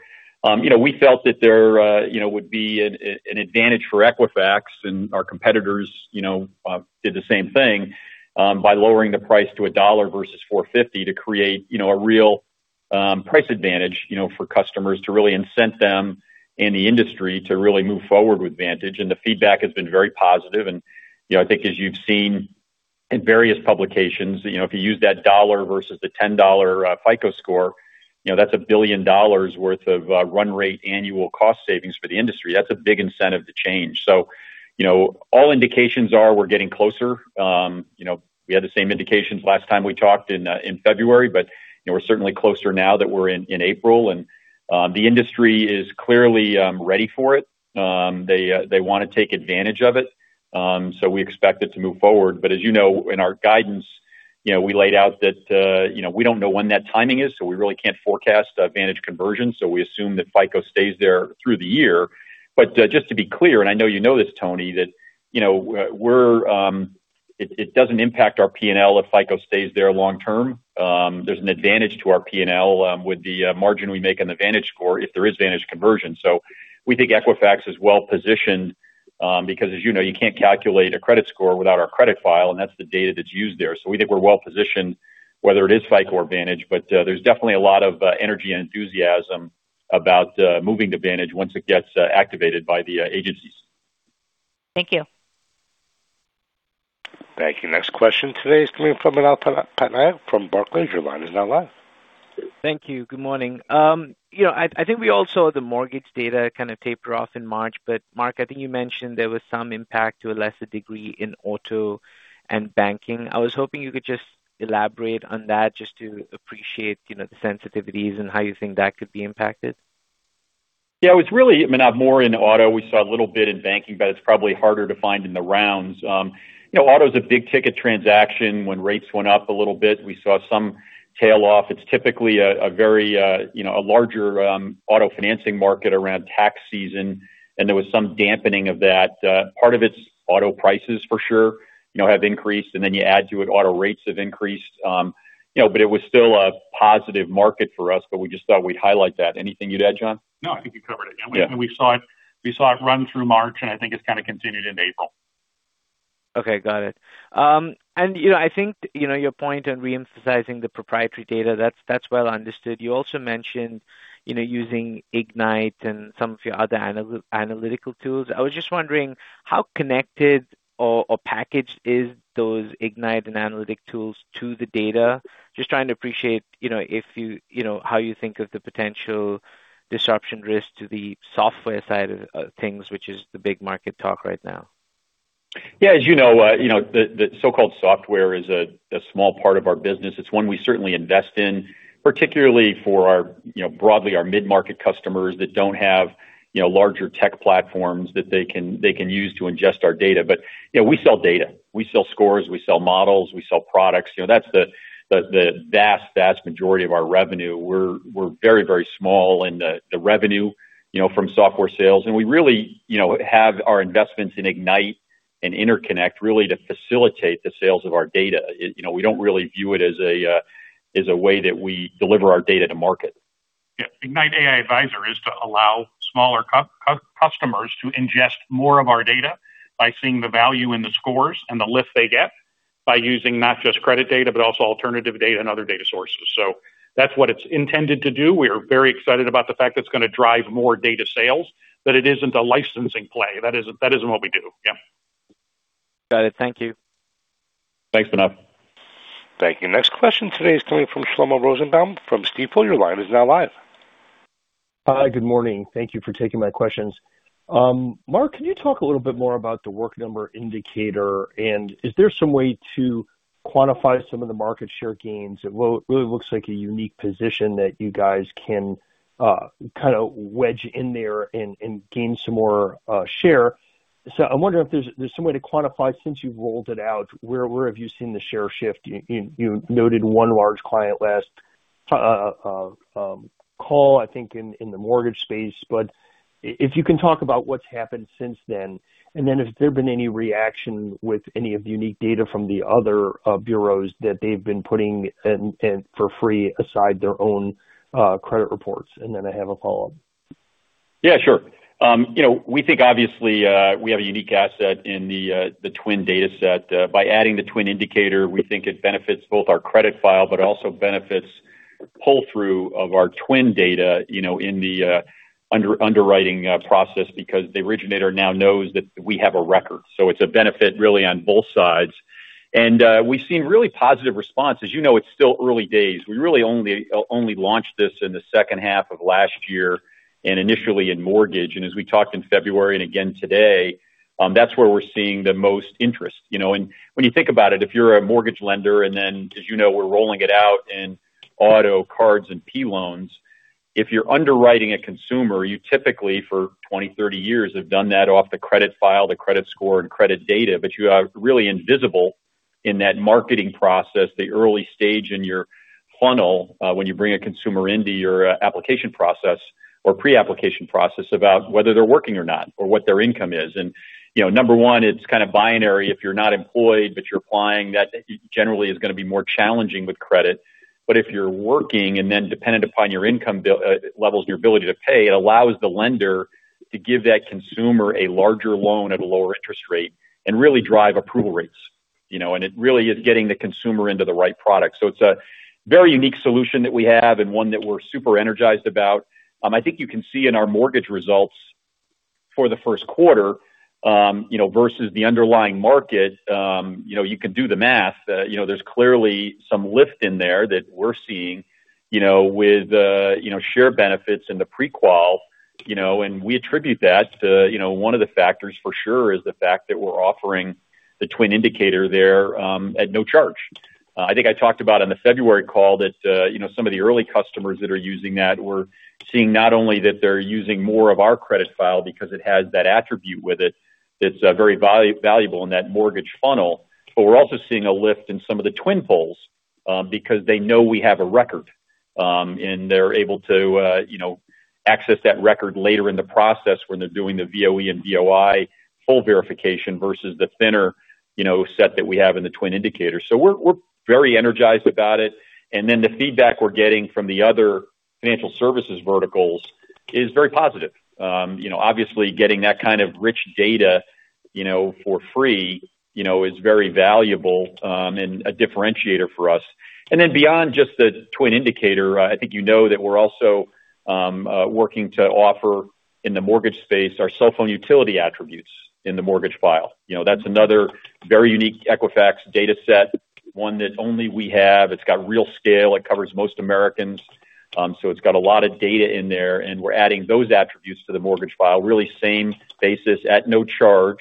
We felt that there would be an advantage for Equifax, and our competitors did the same thing, by lowering the price to $1 versus $4.50 to create a real price advantage for customers to really incent them and the industry to really move forward with Vantage. The feedback has been very positive. I think as you've seen in various publications, if you use that $1 versus the $10 FICO score, that's $1 billion worth of run rate annual cost savings for the industry. That's a big incentive to change. All indications are we're getting closer. We had the same indications last time we talked in February, but we're certainly closer now that we're in April and the industry is clearly ready for it. They want to take advantage of it. We expect it to move forward. As you know, in our guidance, we laid out that we don't know when that timing is, so we really can't forecast Vantage conversion. We assume that FICO stays there through the year. Just to be clear, and I know you know this, Toni, that it doesn't impact our P&L if FICO stays there long term. There's an advantage to our P&L with the margin we make on the VantageScore if there is Vantage conversion. We think Equifax is well-positioned because as you know, you can't calculate a credit score without our credit file, and that's the data that's used there. We think we're well-positioned whether it is FICO or Vantage, but there's definitely a lot of energy and enthusiasm about moving to Vantage once it gets activated by the agencies. Thank you. Thank you. Next question today is coming from Manav Patnaik from Barclays. Your line is now live. Thank you. Good morning. I think we all saw the mortgage data kind of taper off in March. Mark, I think you mentioned there was some impact to a lesser degree in auto and banking. I was hoping you could just elaborate on that just to appreciate the sensitivities and how you think that could be impacted. Yeah, it was really, Manav, more in auto. We saw a little bit in banking, but it's probably harder to find in the rounds. Auto is a big-ticket transaction. When rates went up a little bit, we saw some tail off. It's typically a very, a larger auto financing market around tax season, and there was some dampening of that. Part of it's auto prices for sure have increased, and then you add to it auto rates have increased. It was still a positive market for us. We just thought we'd highlight that. Anything you'd add, John? No, I think you covered it. Yeah. We saw it run through March, and I think it's kind of continued into April. Okay, got it. I think your point on re-emphasizing the proprietary data, that's well-understood. You also mentioned using Ignite and some of your other analytical tools. I was just wondering how connected or packaged is those Ignite and analytic tools to the data? Just trying to appreciate how you think of the potential disruption risk to the software side of things, which is the big market talk right now. Yeah. As you know, the so-called software is a small part of our business. It's one we certainly invest in, particularly for broadly our mid-market customers that don't have larger tech platforms that they can use to ingest our data. But we sell data, we sell scores, we sell models, we sell products. That's the vast majority of our revenue. We're very, very small in the revenue from software sales. We really have our investments in Ignite and InterConnect really to facilitate the sales of our data. We don't really view it as a way that we deliver our data to market. Yeah. Ignite AI Advisor is to allow smaller customers to ingest more of our data by seeing the value in the scores and the lift they get by using not just credit data, but also alternative data and other data sources. That's what it's intended to do. We are very excited about the fact that it's going to drive more data sales, but it isn't a licensing play. That isn't what we do. Yeah. Got it. Thank you. Thanks, Manav. Thank you. Next question today is coming from Shlomo Rosenbaum from Stifel. Your line is now live. Hi. Good morning. Thank you for taking my questions. Mark, can you talk a little bit more about The Work Number Indicator, and is there some way to quantify some of the market share gains? It really looks like a unique position that you guys can kind of wedge in there and gain some more share. I'm wondering if there's some way to quantify, since you've rolled it out, where have you seen the share shift? You noted one large client last call, I think, in the mortgage space. If you can talk about what's happened since then, and then if there've been any reaction with any of the unique data from the other bureaus that they've been putting in for free aside their own credit reports. I have a follow-up. Yeah, sure. We think obviously we have a unique asset in the TWN data set. By adding the TWN Indicator, we think it benefits both our credit file, but it also benefits pull-through of our TWN data in the underwriting process because the originator now knows that we have a record. It's a benefit really on both sides. We've seen really positive responses. As you know, it's still early days. We really only launched this in the second half of last year and initially in mortgage. As we talked in February and again today, that's where we're seeing the most interest. When you think about it, if you're a mortgage lender and then, as you know, we're rolling it out in auto, cards, and P-Loans, if you're underwriting a consumer, you typically for 20, 30 years have done that off the credit file, the credit score, and credit data. You are really invisible in that marketing process, the early stage in your funnel when you bring a consumer into your application process or pre-application process about whether they're working or not or what their income is. Number one, it's kind of binary if you're not employed, but you're applying, that generally is going to be more challenging with credit. If you're working and then dependent upon your income levels and your ability to pay, it allows the lender to give that consumer a larger loan at a lower interest rate and really drive approval rates. It really is getting the consumer into the right product. It's a very unique solution that we have and one that we're super energized about. I think you can see in our mortgage results for the first quarter versus the underlying market, you can do the math. There's clearly some lift in there that we're seeing with share benefits in the pre-qual, and we attribute that to one of the factors for sure is the fact that we're offering the TWN Indicator there at no charge. I think I talked about on the February call that some of the early customers that are using that, we're seeing not only that they're using more of our credit file because it has that attribute with it that's very valuable in that mortgage funnel, but we're also seeing a lift in some of the TWN pulls because they know we have a record and they're able to access that record later in the process when they're doing the VOE and VOI full verification versus the thinner set that we have in the TWN Indicator. We're very energized about it. The feedback we're getting from the other financial services verticals is very positive. Obviously, getting that kind of rich data for free is very valuable and a differentiator for us. Beyond just the TWN Indicator, I think you know that we're also working to offer in the mortgage space our cell phone utility attributes in the mortgage file. That's another very unique Equifax data set, one that only we have. It's got real scale. It covers most Americans. It's got a lot of data in there, and we're adding those attributes to the mortgage file, really same basis at no charge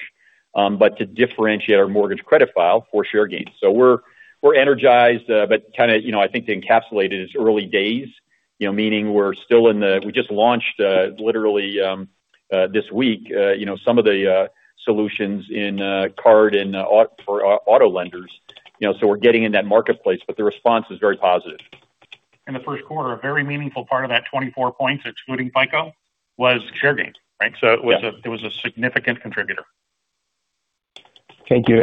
but to differentiate our mortgage credit file for share gains. We're energized but kind of, I think to encapsulate, it's early days, meaning we just launched literally this week some of the solutions in cards and for auto lenders. We're getting in that marketplace, but the response is very positive. In the first quarter, a very meaningful part of that 24 points excluding FICO was share gains, right? Yeah. It was a significant contributor. Thank you.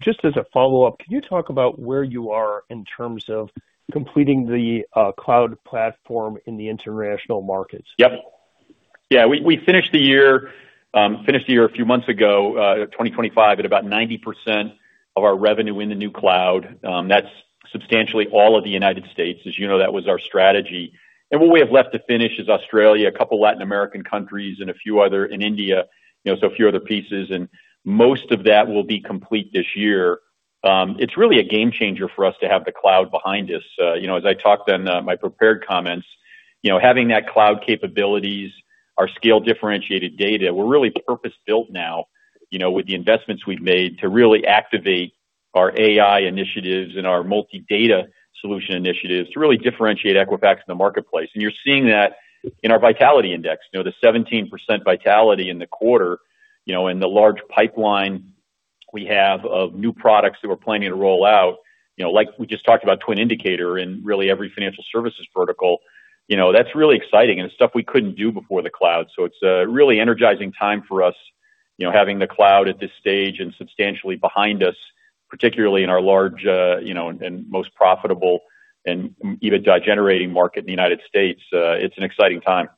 Just as a follow-up, can you talk about where you are in terms of completing the cloud platform in the international markets? Yeah. We finished the year a few months ago, 2025, at about 90% of our revenue in the new cloud. That's substantially all of the United States. As you know, that was our strategy. What we have left to finish is Australia, a couple Latin American countries, and a few others in India, so a few other pieces. Most of that will be complete this year. It's really a game changer for us to have the cloud behind us. As I talked in my prepared comments, having that cloud capabilities, our scale differentiated data, we're really purpose-built now, with the investments we've made to really activate our AI initiatives and our multi-data solution initiatives to really differentiate Equifax in the marketplace. You're seeing that in our Vitality Index, the 17% vitality in the quarter, and the large pipeline we have of new products that we're planning to roll out. Like, we just talked about TWN Indicator in really every financial services vertical. That's really exciting and it's stuff we couldn't do before the cloud. It's a really energizing time for us, having the cloud at this stage and substantially behind us, particularly in our large and most profitable and EBITDA-generating market in the United States. It's an exciting time.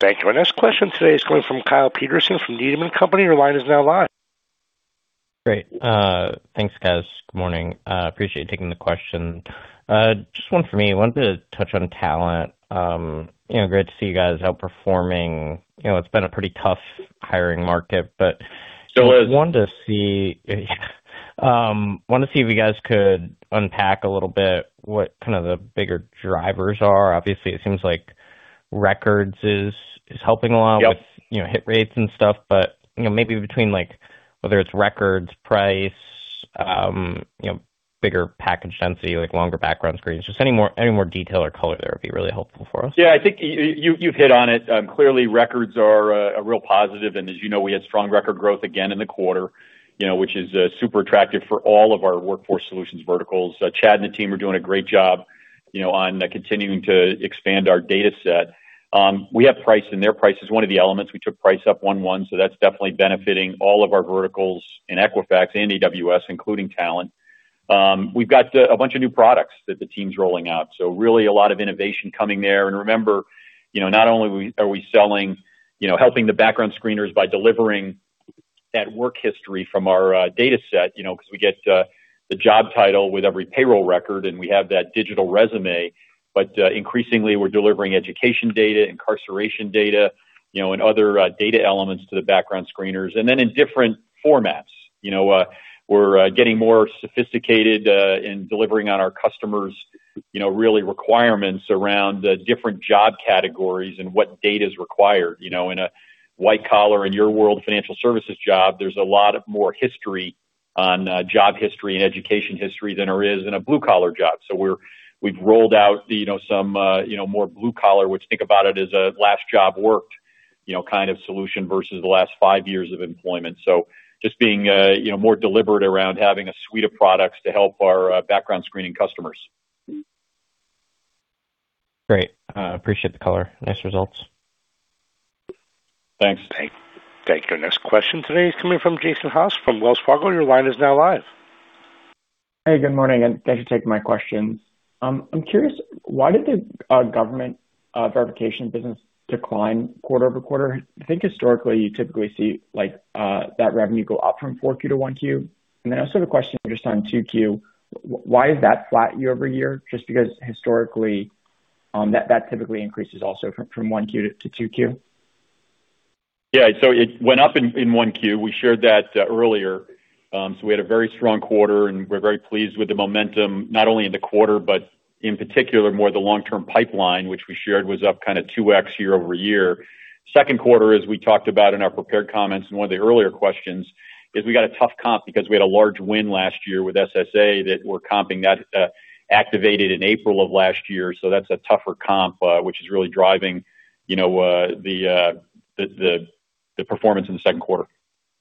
Thank you. Our next question today is coming from Kyle Peterson from Needham & Company. Your line is now live. Great. Thanks, guys. Good morning. Appreciate you taking the question. Just one for me. Wanted to touch on talent. Great to see you guys outperforming. It's been a pretty tough hiring market, but. Still is. Wanted to see if you guys could unpack a little bit what the bigger drivers are. Obviously, it seems like records is helping a lot. Yep. With hit rates and stuff. Maybe between whether it's records, price, bigger package density, longer background screens, just any more detail or color there would be really helpful for us? Yeah, I think you've hit on it. Clearly, records are a real positive. As you know, we had strong record growth again in the quarter, which is super attractive for all of our Workforce Solutions verticals. Chad and the team are doing a great job on continuing to expand our data set. We have price, and their price is one of the elements. We took price up 1.1, so that's definitely benefiting all of our verticals in Equifax and EWS, including talent. We've got a bunch of new products that the team's rolling out, so really a lot of innovation coming there. Remember, not only are we helping the background screeners by delivering that work history from our data set, because we get the job title with every payroll record and we have that digital resume. Increasingly, we're delivering education data, incarceration data, and other data elements to the background screeners in different formats. We're getting more sophisticated in delivering on our customers' requirements around the different job categories and what data is required. In a white collar, in your world financial services job, there's a lot of more history on job history and education history than there is in a blue collar job. We've rolled out some more blue collar, which think about it as a last job worked kind of solution versus the last five years of employment. Just being more deliberate around having a suite of products to help our background screening customers. Great. Appreciate the color. Nice results. Thanks. Thank you. Our next question today is coming from Jason Haas from Wells Fargo. Your line is now live. Hey, good morning, and thank you for taking my question. I'm curious, why did the government verification business decline quarter-over-quarter? I think historically, you typically see that revenue go up from 4Q to 1Q. Then also the question just on 2Q, why is that flat year-over-year? Just because historically, that typically increases also from 1Q to 2Q. Yeah. It went up in 1Q. We shared that earlier. We had a very strong quarter, and we're very pleased with the momentum, not only in the quarter, but in particular, more the long-term pipeline, which we shared was up kind of 2x year-over-year. Second quarter, as we talked about in our prepared comments in one of the earlier questions, is we got a tough comp because we had a large win last year with SSA that we're comping that activated in April of last year. That's a tougher comp, which is really driving the performance in the second quarter.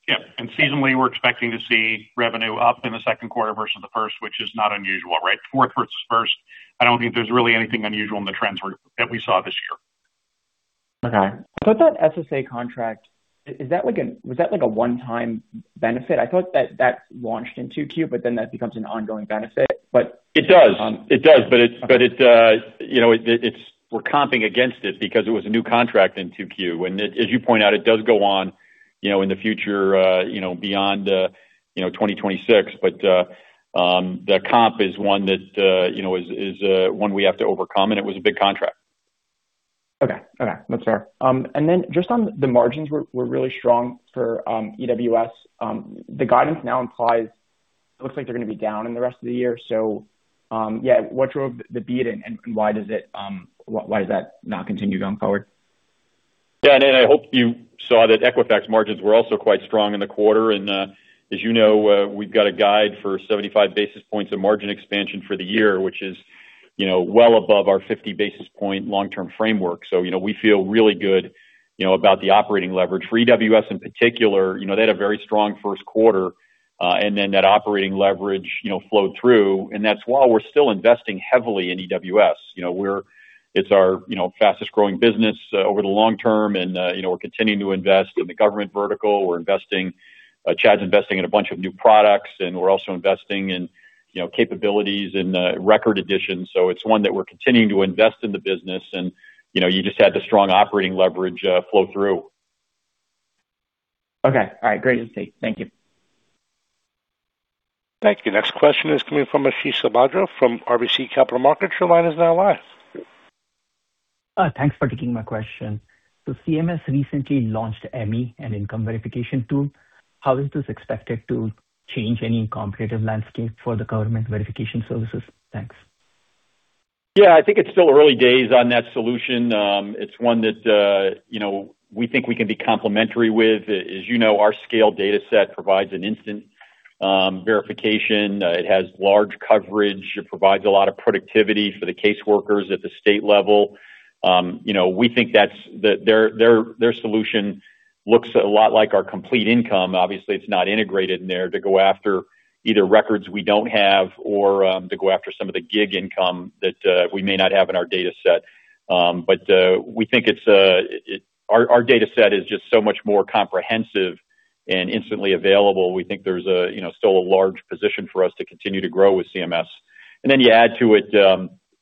Yeah. Seasonally, we're expecting to see revenue up in the second quarter versus the first, which is not unusual, right? Fourth versus first, I don't think there's really anything unusual in the trends that we saw this year. Okay. With that SSA contract, was that like a one-time benefit? I thought that launched in 2Q, but then that becomes an ongoing benefit. It does. We're comping against it because it was a new contract in 2Q. As you point out, it does go on in the future beyond 2026. The comp is one we have to overcome, and it was a big contract. Okay. That's fair. Just on the margins were really strong for EWS. The guidance now implies it looks like they're going to be down in the rest of the year. What drove the beat and why does that not continue going forward? Yeah, I hope you saw that Equifax margins were also quite strong in the quarter, and as you know, we've got a guide for 75 basis points of margin expansion for the year, which is well above our 50 basis point long-term framework. We feel really good about the operating leverage. For EWS in particular, they had a very strong first quarter, and then that operating leverage flowed through. That's while we're still investing heavily in EWS. It's our fastest growing business over the long term, and we're continuing to invest in the government vertical. Chad's investing in a bunch of new products, and we're also investing in capabilities and record additions. It's one that we're continuing to invest in the business, and you just had the strong operating leverage flow through. Okay. All right. Great to see. Thank you. Thank you. Next question is coming from Ashish Sabadra from RBC Capital Markets. Your line is now live. Thanks for taking my question. CMS recently launched Emmy, an income verification tool. How is this expected to change any competitive landscape for the government verification services? Thanks. Yeah, I think it's still early days on that solution. It's one that we think we can be complementary with. As you know, our scale data set provides an instant verification. It has large coverage. It provides a lot of productivity for the caseworkers at the state level. We think their solution looks a lot like our Complete Income. Obviously, it's not integrated in there to go after either records we don't have or to go after some of the gig income that we may not have in our data set. But we think our data set is just so much more comprehensive and instantly available. We think there's still a large position for us to continue to grow with CMS. You add to it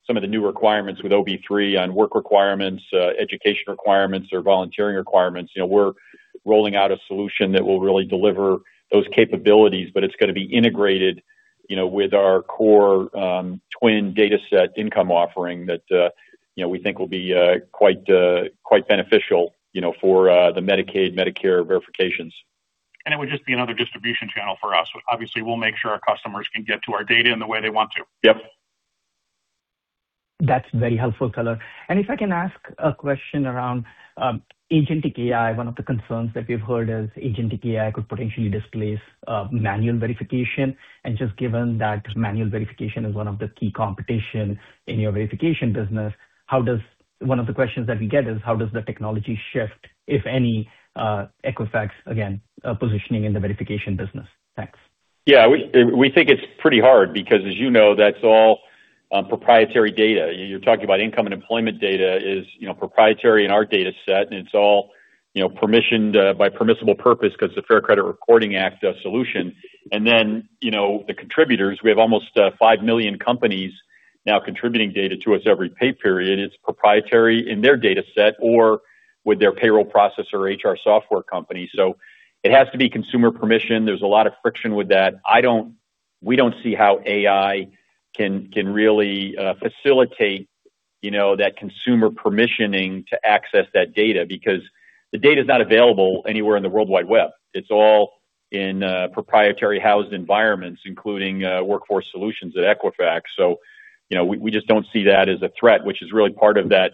some of the new requirements with OB3 on work requirements, education requirements or volunteering requirements. We're rolling out a solution that will really deliver those capabilities, but it's got to be integrated with our core TWN dataset income offering that we think will be quite beneficial for the Medicaid, Medicare verifications. It would just be another distribution channel for us. Obviously, we'll make sure our customers can get to our data in the way they want to. Yep. That's very helpful color. If I can ask a question around agentic AI. One of the concerns that we've heard is agentic AI could potentially displace manual verification. Just given that manual verification is one of the key competition in your verification business, one of the questions that we get is how does the technology shift, if any, Equifax, again, positioning in the verification business again. Thanks. Yeah. We think it's pretty hard because as you know, that's all proprietary data. You're talking about income and employment data is proprietary in our data set, and it's all permissioned by permissible purpose because of the Fair Credit Reporting Act solution. Then the contributors, we have almost 5 million companies now contributing data to us every pay period. It's proprietary in their data set or with their payroll processor HR software company. So, it has to be consumer permission. There's a lot of friction with that. We don't see how AI can really facilitate that consumer permissioning to access that data because the data is not available anywhere in the world wide web. It's all in proprietary-housed environments, including Workforce Solutions at Equifax. We just don't see that as a threat, which is really part of that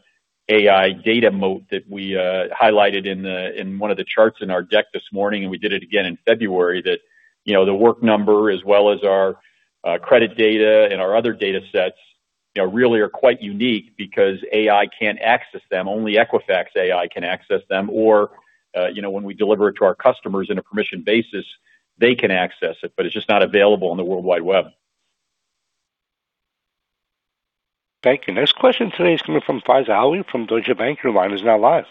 AI data moat that we highlighted in one of the charts in our deck this morning, and we did it again in February, that The Work Number as well as our credit data and our other data sets really are quite unique because AI can't access them. Only Equifax AI can access them. Or when we deliver it to our customers on a permissioned basis, they can access it, but it's just not available on the world wide web. Thank you. Next question today is coming from Faiza Alwy from Deutsche Bank. Your line is now live.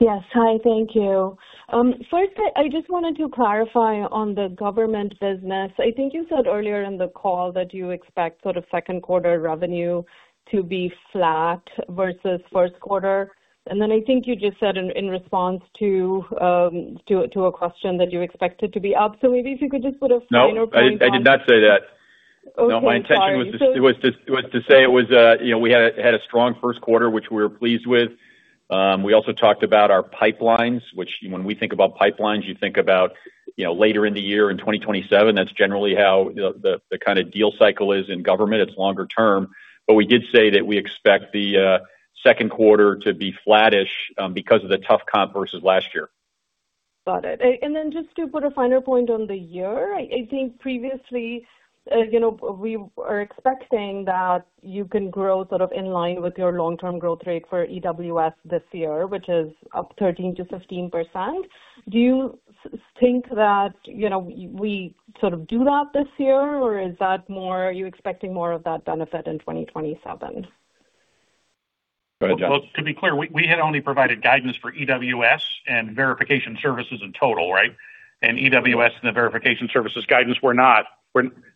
Yes. Hi, thank you. First I just wanted to clarify on the government business. I think you said earlier in the call that you expect sort of second quarter revenue to be flat versus first quarter, and then I think you just said in response to a question that you expect it to be up. Maybe, if you could just put a final point on. No, I did not say that. Okay. Sorry. No, my intention was to say we had a strong first quarter, which we were pleased with. We also talked about our pipelines, which when we think about pipelines, you think about later in the year in 2027, that's generally how the kind of deal cycle is in government. It's longer term. We did say that we expect the second quarter to be flattish because of the tough comp versus last year. Got it. Just to put a final point on the year, I think previously we were expecting that you can grow sort of in line with your long-term growth rate for EWS this year, which is up 13%-15%. Do you think that we sort of do that this year or is that more, are you expecting more of that benefit in 2027? Go ahead, John. Well, to be clear, we had only provided guidance for EWS and verification services in total, right? EWS and the verification services guidance, we're not,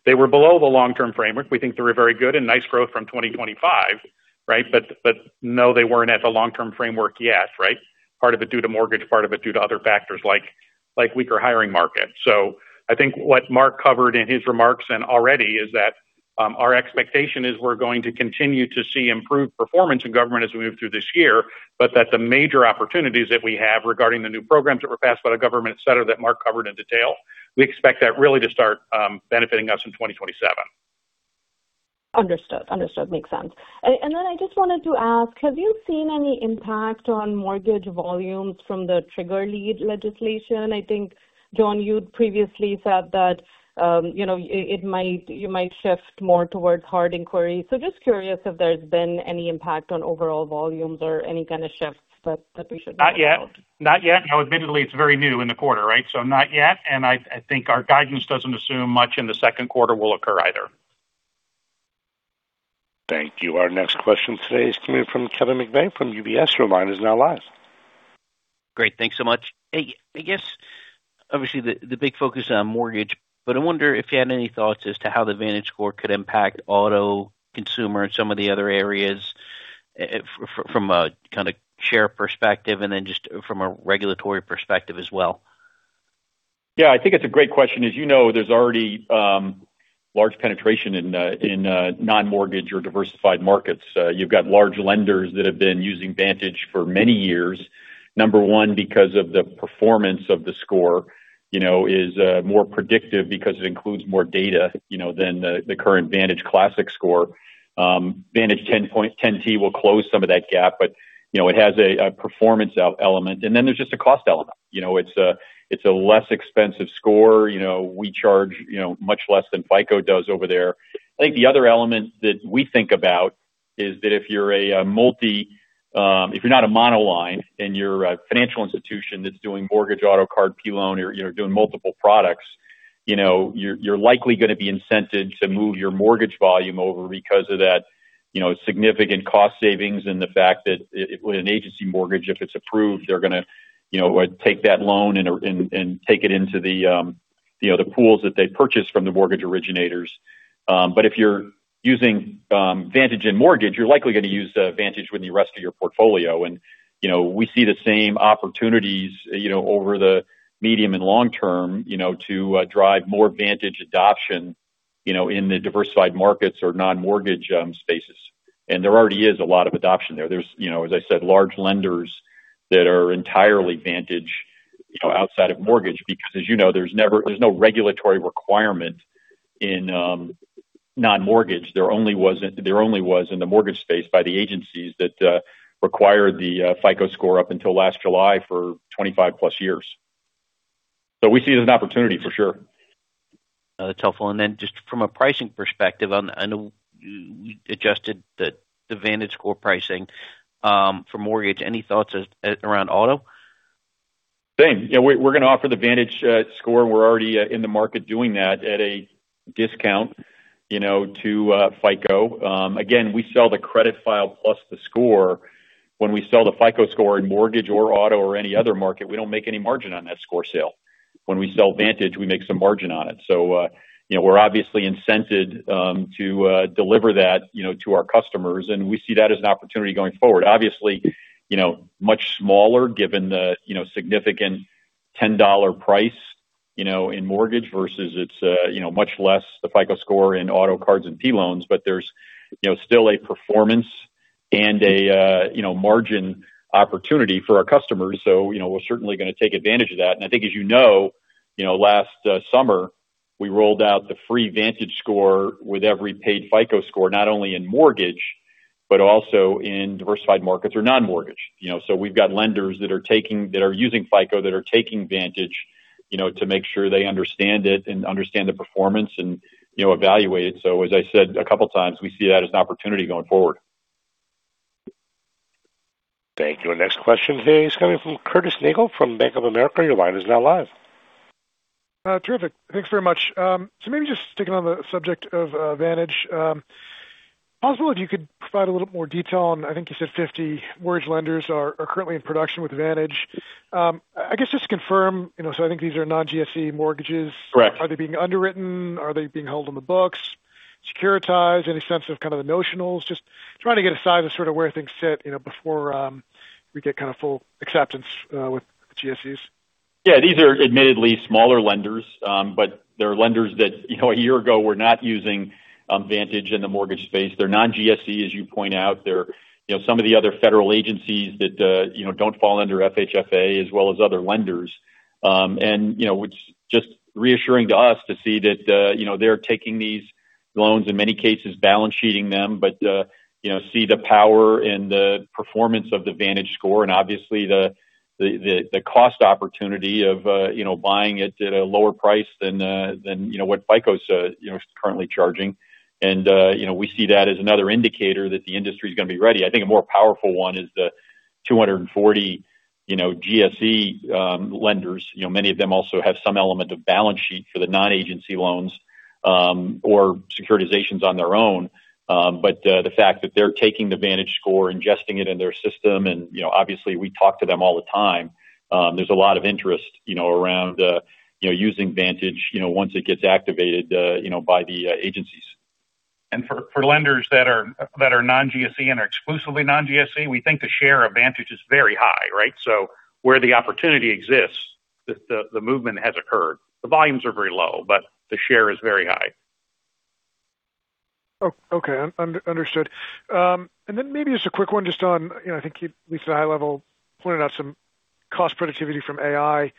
they were below the long-term framework. We think they were very good and nice growth from 2025, right? No, they weren't at the long-term framework yet, right? Part of it due to mortgage, part of it due to other factors like weaker hiring market. I think what Mark covered in his remarks and already is that our expectation is we're going to continue to see improved performance in government as we move through this year, but that the major opportunities that we have regarding the new programs that were passed by the government, et cetera, that Mark covered in detail, we expect that really to start benefiting us in 2027. Understood. Makes sense. I just wanted to ask, have you seen any impact on mortgage volumes from the trigger lead legislation? I think, John, you previously said that you might shift more towards hard inquiries. Just curious if there's been any impact on overall volumes or any kind of shifts that we should know about. Not yet. Now admittedly it's very new in the quarter, right? So not yet. I think our guidance doesn't assume much in the second quarter will occur either. Thank you. Our next question today is coming from Kevin McVeigh from UBS. Your line is now live. Great. Thanks so much. I guess. Obviously, the big focus is on mortgage, but I wonder if you had any thoughts as to how the VantageScore could impact auto consumer and some of the other areas from a share perspective, and then just from a regulatory perspective as well. Yeah, I think it's a great question. As you know, there's already large penetration in non-mortgage or diversified markets. You've got large lenders that have been using Vantage for many years. Number one, because of the performance of the score is more predictive because it includes more data than the current Vantage classic score. Vantage 10T will close some of that gap, but it has a performance element. There's just a cost element. It's a less expensive score. We charge much less than FICO does over there. I think the other element that we think about is that if you're not a monoline and you're a financial institution that's doing mortgage, auto, card, P-Loan, or you're doing multiple products, you're likely going to be incented to move your mortgage volume over because of that significant cost savings and the fact that with an agency mortgage, if it's approved, they're going to take that loan and take it into the pools that they purchase from the mortgage originators. If you're using Vantage and mortgage, you're likely going to use Vantage with the rest of your portfolio. We see the same opportunities over the medium and long term to drive more Vantage adoption in the diversified markets or non-mortgage spaces. There already is a lot of adoption there. There's, as I said, large lenders that are entirely Vantage outside of mortgage, because as you know, there's no regulatory requirement in non-mortgage. There only was in the mortgage space by the agencies that required the FICO score up until last July for 25+ years. We see it as an opportunity for sure. That's helpful. Just from a pricing perspective, I know you adjusted the VantageScore score pricing for mortgage. Any thoughts around auto? Same. We're going to offer the VantageScore. We're already in the market doing that at a discount to FICO. Again, we sell the credit file plus the score. When we sell the FICO score in mortgage or auto or any other market, we don't make any margin on that score sale. When we sell Vantage, we make some margin on it. We're obviously incented to deliver that to our customers, and we see that as an opportunity going forward. Obviously, much smaller given the significant $10 price in mortgage versus its much less than the FICO score in auto cards and P-Loans. But there's still a performance and a margin opportunity for our customers. We're certainly going to take advantage of that. I think as you know, last summer, we rolled out the free VantageScore with every paid FICO score, not only in mortgage but also in diversified markets or non-mortgage. We've got lenders that are using FICO that are taking Vantage to make sure they understand it and understand the performance and evaluate it. As I said a couple times, we see that as an opportunity going forward. Thank you. Our next question today is coming from Curtis Nagle from Bank of America. Your line is now live. Terrific. Thanks very much. Maybe just sticking on the subject of Vantage, possible if you could provide a little more detail on, I think you said 50 mortgage lenders are currently in production with Vantage. I guess just to confirm, I think these are non-GSE mortgages. Correct. Are they being underwritten? Are they being held on the books, securitized? Any sense of kind of the notionals? Just trying to get a size of sort of where things sit before we get full acceptance with GSEs. Yeah. These are admittedly smaller lenders, but they're lenders that a year ago were not using Vantage in the mortgage space. They're non-GSE, as you point out. They're some of the other federal agencies that don't fall under FHFA as well as other lenders. It's just reassuring to us to see that they're taking these loans, in many cases, balance sheeting them, but see the power and the performance of the VantageScore and obviously the cost opportunity of buying it at a lower price than what FICO's currently charging. We see that as another indicator that the industry's going to be ready. I think a more powerful one is the 240 GSE lenders. Many of them also have some element of balance sheet for the non-agency loans or securitizations on their own. The fact that they're taking the VantageScore, ingesting it in their system, and obviously we talk to them all the time, there's a lot of interest around using Vantage once it gets activated by the agencies. For lenders that are non-GSE and are exclusively non-GSE, we think the share of Vantage is very high, right? Where the opportunity exists, the movement has occurred. The volumes are very low, but the share is very high. Okay. Understood. Maybe just a quick one just on, I think you, at least at a high level, pointed out some cost productivity from AI.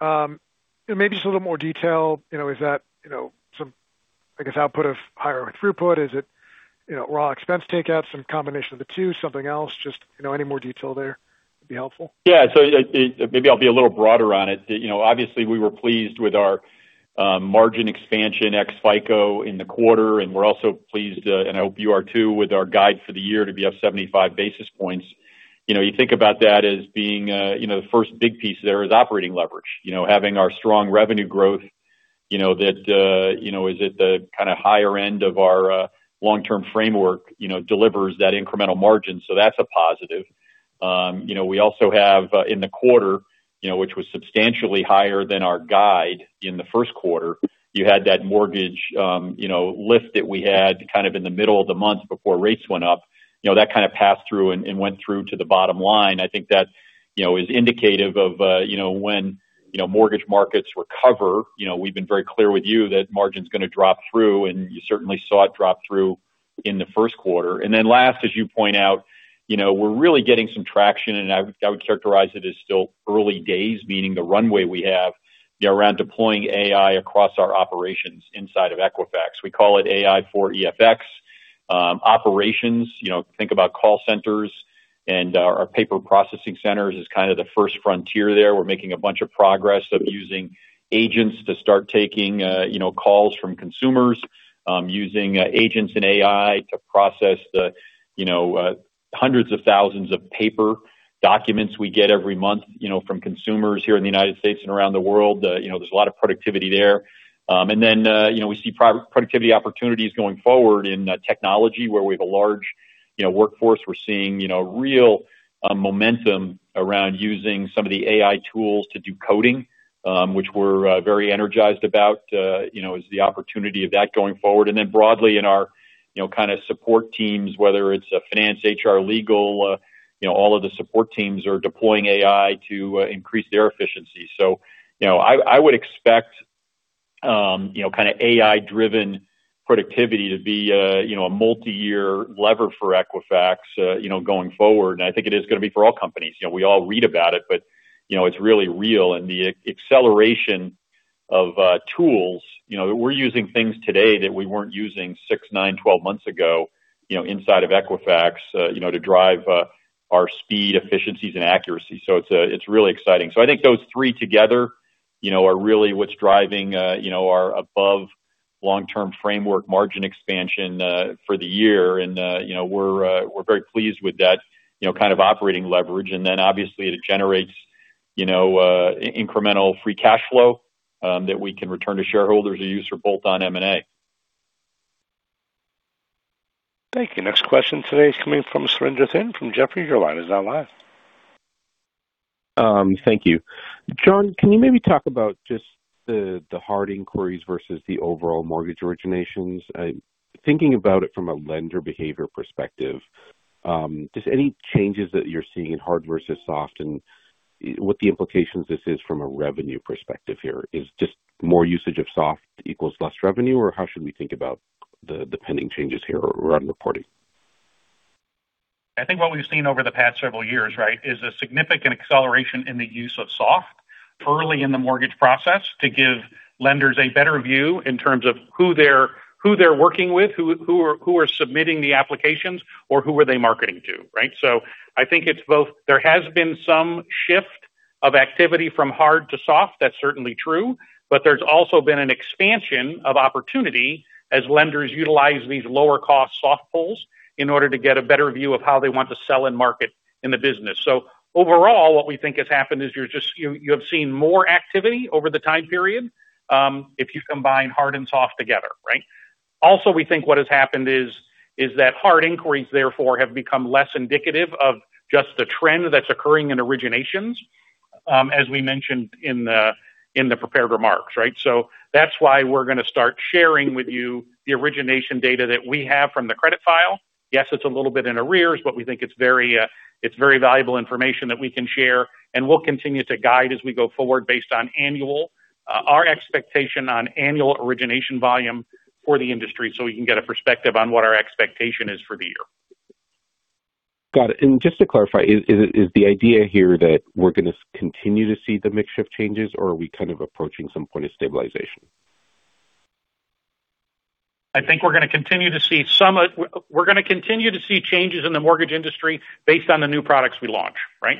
Maybe just a little more detail, is that some, I guess, output of higher throughput? Is it raw expense takeouts, some combination of the two, something else? Just any more detail there would be helpful. Yeah. Maybe I'll be a little broader on it. Obviously, we were pleased with our margin expansion ex-FICO in the quarter, and we're also pleased, and I hope you are too, with our guide for the year to be up 75 basis points. You think about that as being the first big piece. There is operating leverage. Having our strong revenue growth that is at the kind of higher end of our long-term framework delivers that incremental margin. That's a positive. We also have in the quarter, which was substantially higher than our guide in the first quarter, you had that mortgage lift that we had kind of in the middle of the month before rates went up, that kind of passed through and went through to the bottom line. I think that is indicative of when mortgage markets recover. We've been very clear with you that margin's going to drop through, and you certainly saw it drop through in the first quarter. Lastly, as you point out, we're really getting some traction, and I would characterize it as still early days, meaning the runway we have around deploying AI across our operations inside of Equifax. We call it AI for EFX. Operations, think about call centers and our paper processing centers is kind of the first frontier there. We're making a bunch of progress on using agents to start taking calls from consumers, using agents and AI to process the hundreds of thousands of paper documents we get every month from consumers here in the United States and around the world. There's a lot of productivity there. We see productivity opportunities going forward in technology where we have a large workforce. We're seeing real momentum around using some of the AI tools to do coding, which we're very energized about as the opportunity of that going forward. Broadly in our kind of support teams, whether it's finance, HR, legal, all of the support teams are deploying AI to increase their efficiency. I would expect kind of AI-driven productivity to be a multi-year lever for Equifax going forward. I think it is going to be for all companies. We all read about it, but it's really real. The acceleration of tools, we're using things today that we weren't using six, nine, 12 months ago inside of Equifax to drive our speed, efficiencies, and accuracy. It's really exciting. I think those three together are really what's driving our above long-term framework margin expansion for the year. We're very pleased with that kind of operating leverage. Obviously it generates incremental free cash flow that we can return to shareholders or use for bolt-on M&A. Thank you. Next question today is coming from Surinder Thind from Jefferies. Your line is now live. Thank you. John, can you maybe talk about just the hard inquiries versus the overall mortgage originations? Thinking about it from a lender behavior perspective, just any changes that you're seeing in hard versus soft, and what the implications of this are from a revenue perspective here. Is it just more usage of soft equals less revenue, or how should we think about the pending changes here around reporting? I think what we've seen over the past several years, right, is a significant acceleration in the use of soft early in the mortgage process to give lenders a better view in terms of who they're working with, who are submitting the applications or who are they marketing to, right? I think it's both. There has been some shift of activity from hard to soft. That's certainly true. There's also been an expansion of opportunity as lenders utilize these lower cost soft pulls in order to get a better view of how they want to sell and market in the business. Overall, what we think has happened is you have seen more activity over the time period if you combine hard and soft together, right? Also, we think what has happened is that hard inquiries therefore have become less indicative of just the trend that's occurring in originations as we mentioned in the prepared remarks, right? That's why we're going to start sharing with you the origination data that we have from the credit file. Yes, it's a little bit in arrears, but we think it's very valuable information that we can share and we'll continue to guide as we go forward based on our expectation on annual origination volume for the industry, so we can get a perspective on what our expectation is for the year. Got it. Just to clarify, is the idea here that we're going to continue to see the mix shift changes or are we kind of approaching some point of stabilization? I think we're going to continue to see changes in the mortgage industry based on the new products we launch, right?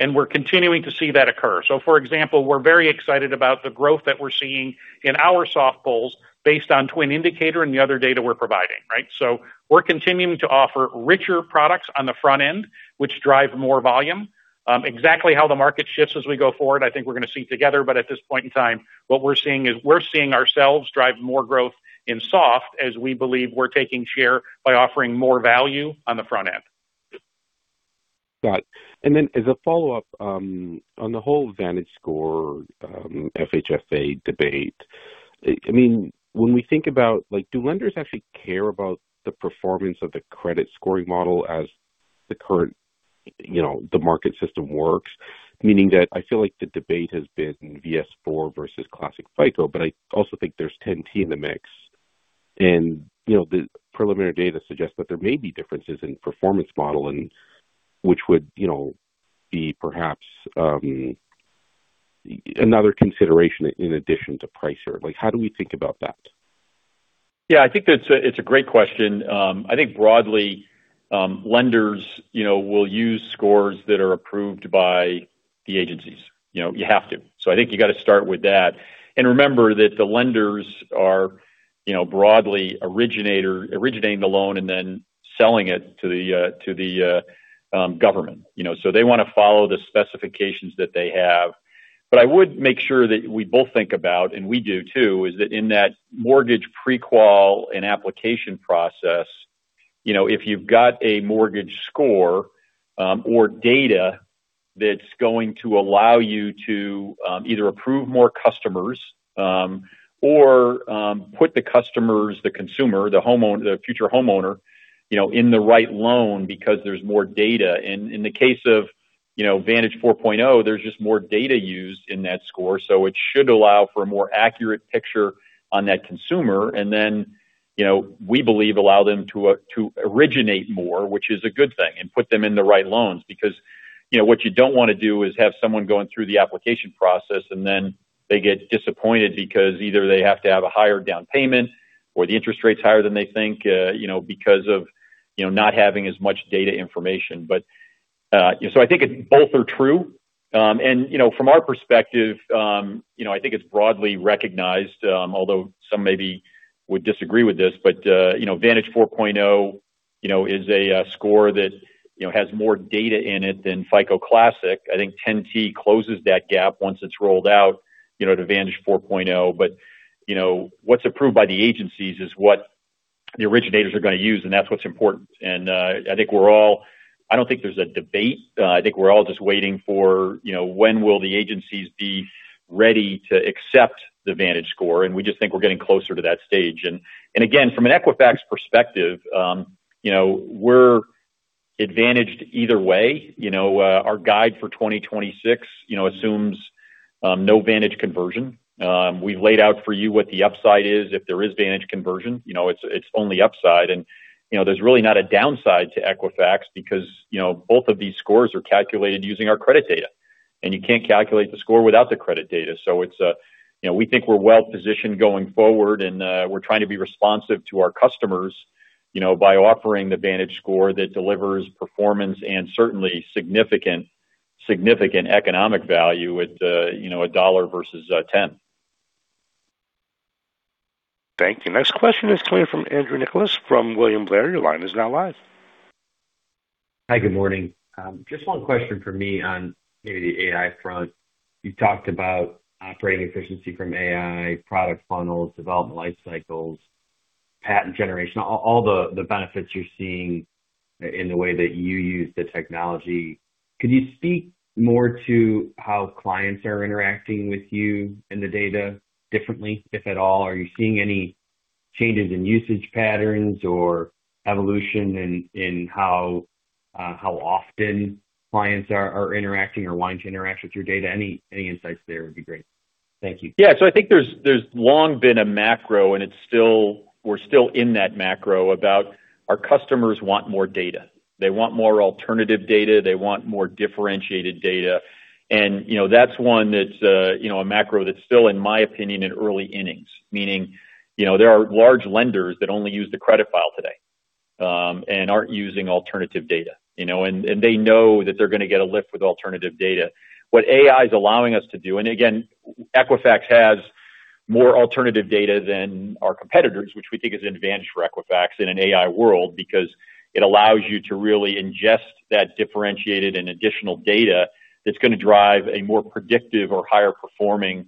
We're continuing to see that occur. For example, we're very excited about the growth that we're seeing in our soft pulls based on TWN Indicator and the other data we're providing, right? We're continuing to offer richer products on the front end, which drive more volume. Exactly how the market shifts as we go forward, I think we're going to see together. At this point in time, what we're seeing is we're seeing ourselves drive more growth in soft as we believe we're taking share by offering more value on the front end. Got it. Then as a follow-up on the whole VantageScore FHFA debate, when we think about like, do lenders actually care about the performance of the credit scoring model as the current market system works? Meaning that I feel like the debate has been VS4 versus Classic FICO, but I also think there's 10T in the mix. The preliminary data suggests that there may be differences in performance model which would be perhaps another consideration in addition to price. How do we think about that? Yeah, I think it's a great question. I think broadly lenders will use scores that are approved by the agencies. You have to. I think you got to start with that. Remember that the lenders are broadly originating the loan and then selling it to the government. They want to follow the specifications that they have. I would make sure that we both think about, and we do too, is that in that mortgage pre-qual and application process, if you've got a mortgage score or data that's going to allow you to either approve more customers or put the customers, the consumer, the future homeowner in the right loan because there's more data. In the case of Vantage 4.0, there's just more data used in that score, so it should allow for a more accurate picture on that consumer. We believe it will allow them to originate more, which is a good thing, and put them in the right loans because what you don't want to do is have someone going through the application process and then they get disappointed because either they have to have a higher down payment or the interest rate's higher than they think because of not having as much data information. I think both are true. From our perspective, I think it's broadly recognized, although some maybe would disagree with this, but Vantage 4.0 is a score that has more data in it than FICO Classic. I think 10T closes that gap once it's rolled out to Vantage 4.0. What's approved by the agencies is what the originators are going to use, and that's what's important. I don't think there's a debate. I think we're all just waiting for when will the agencies be ready to accept the VantageScore, and we just think we're getting closer to that stage. Again, from an Equifax perspective, we're advantaged either way. Our guide for 2026 assumes no Vantage conversion. We've laid out for you what the upside is if there is Vantage conversion. It's only upside. There's really not a downside to Equifax because both of these scores are calculated using our credit data, and you can't calculate the score without the credit data. We think we're well-positioned going forward and we're trying to be responsive to our customers by offering the VantageScore that delivers performance and certainly significant economic value with $1 versus a $10. Thank you. Next question is coming from Andrew Nicholas from William Blair. Your line is now live. Hi, good morning. Just one question from me on maybe the AI front. You talked about operating efficiency from AI, product funnels, development life cycles, patent generation, all the benefits you're seeing in the way that you use the technology. Could you speak more to how clients are interacting with you and the data differently, if at all? Are you seeing any changes in usage patterns or evolution in how often clients are interacting or wanting to interact with your data? Any insights there would be great. Thank you. Yeah. I think there's long been a macro, and we're still in that macro about our customers want more data. They want more alternative data. They want more differentiated data. That's one that's a macro that's still, in my opinion, in early innings, meaning there are large lenders that only use the credit file today and aren't using alternative data. They know that they're going to get a lift with alternative data. What AI is allowing us to do, and again, Equifax has more alternative data than our competitors, which we think is an advantage for Equifax in an AI world because it allows you to really ingest that differentiated and additional data that's going to drive a more predictive or higher performing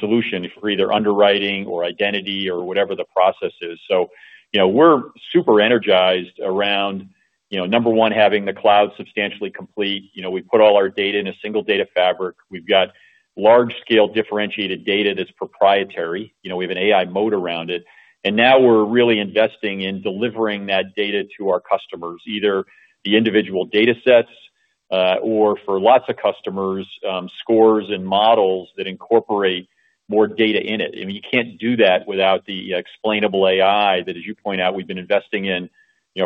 solution for either underwriting or identity or whatever the process is. We're super energized around number one, having the cloud substantially complete. We put all our data in a single data fabric. We've got large scale differentiated data that's proprietary. We have an AI moat around it. Now we're really investing in delivering that data to our customers, either the individual datasets or for lots of customers, scores and models that incorporate more data in it. You can't do that without the explainable AI that, as you point out, we've been investing in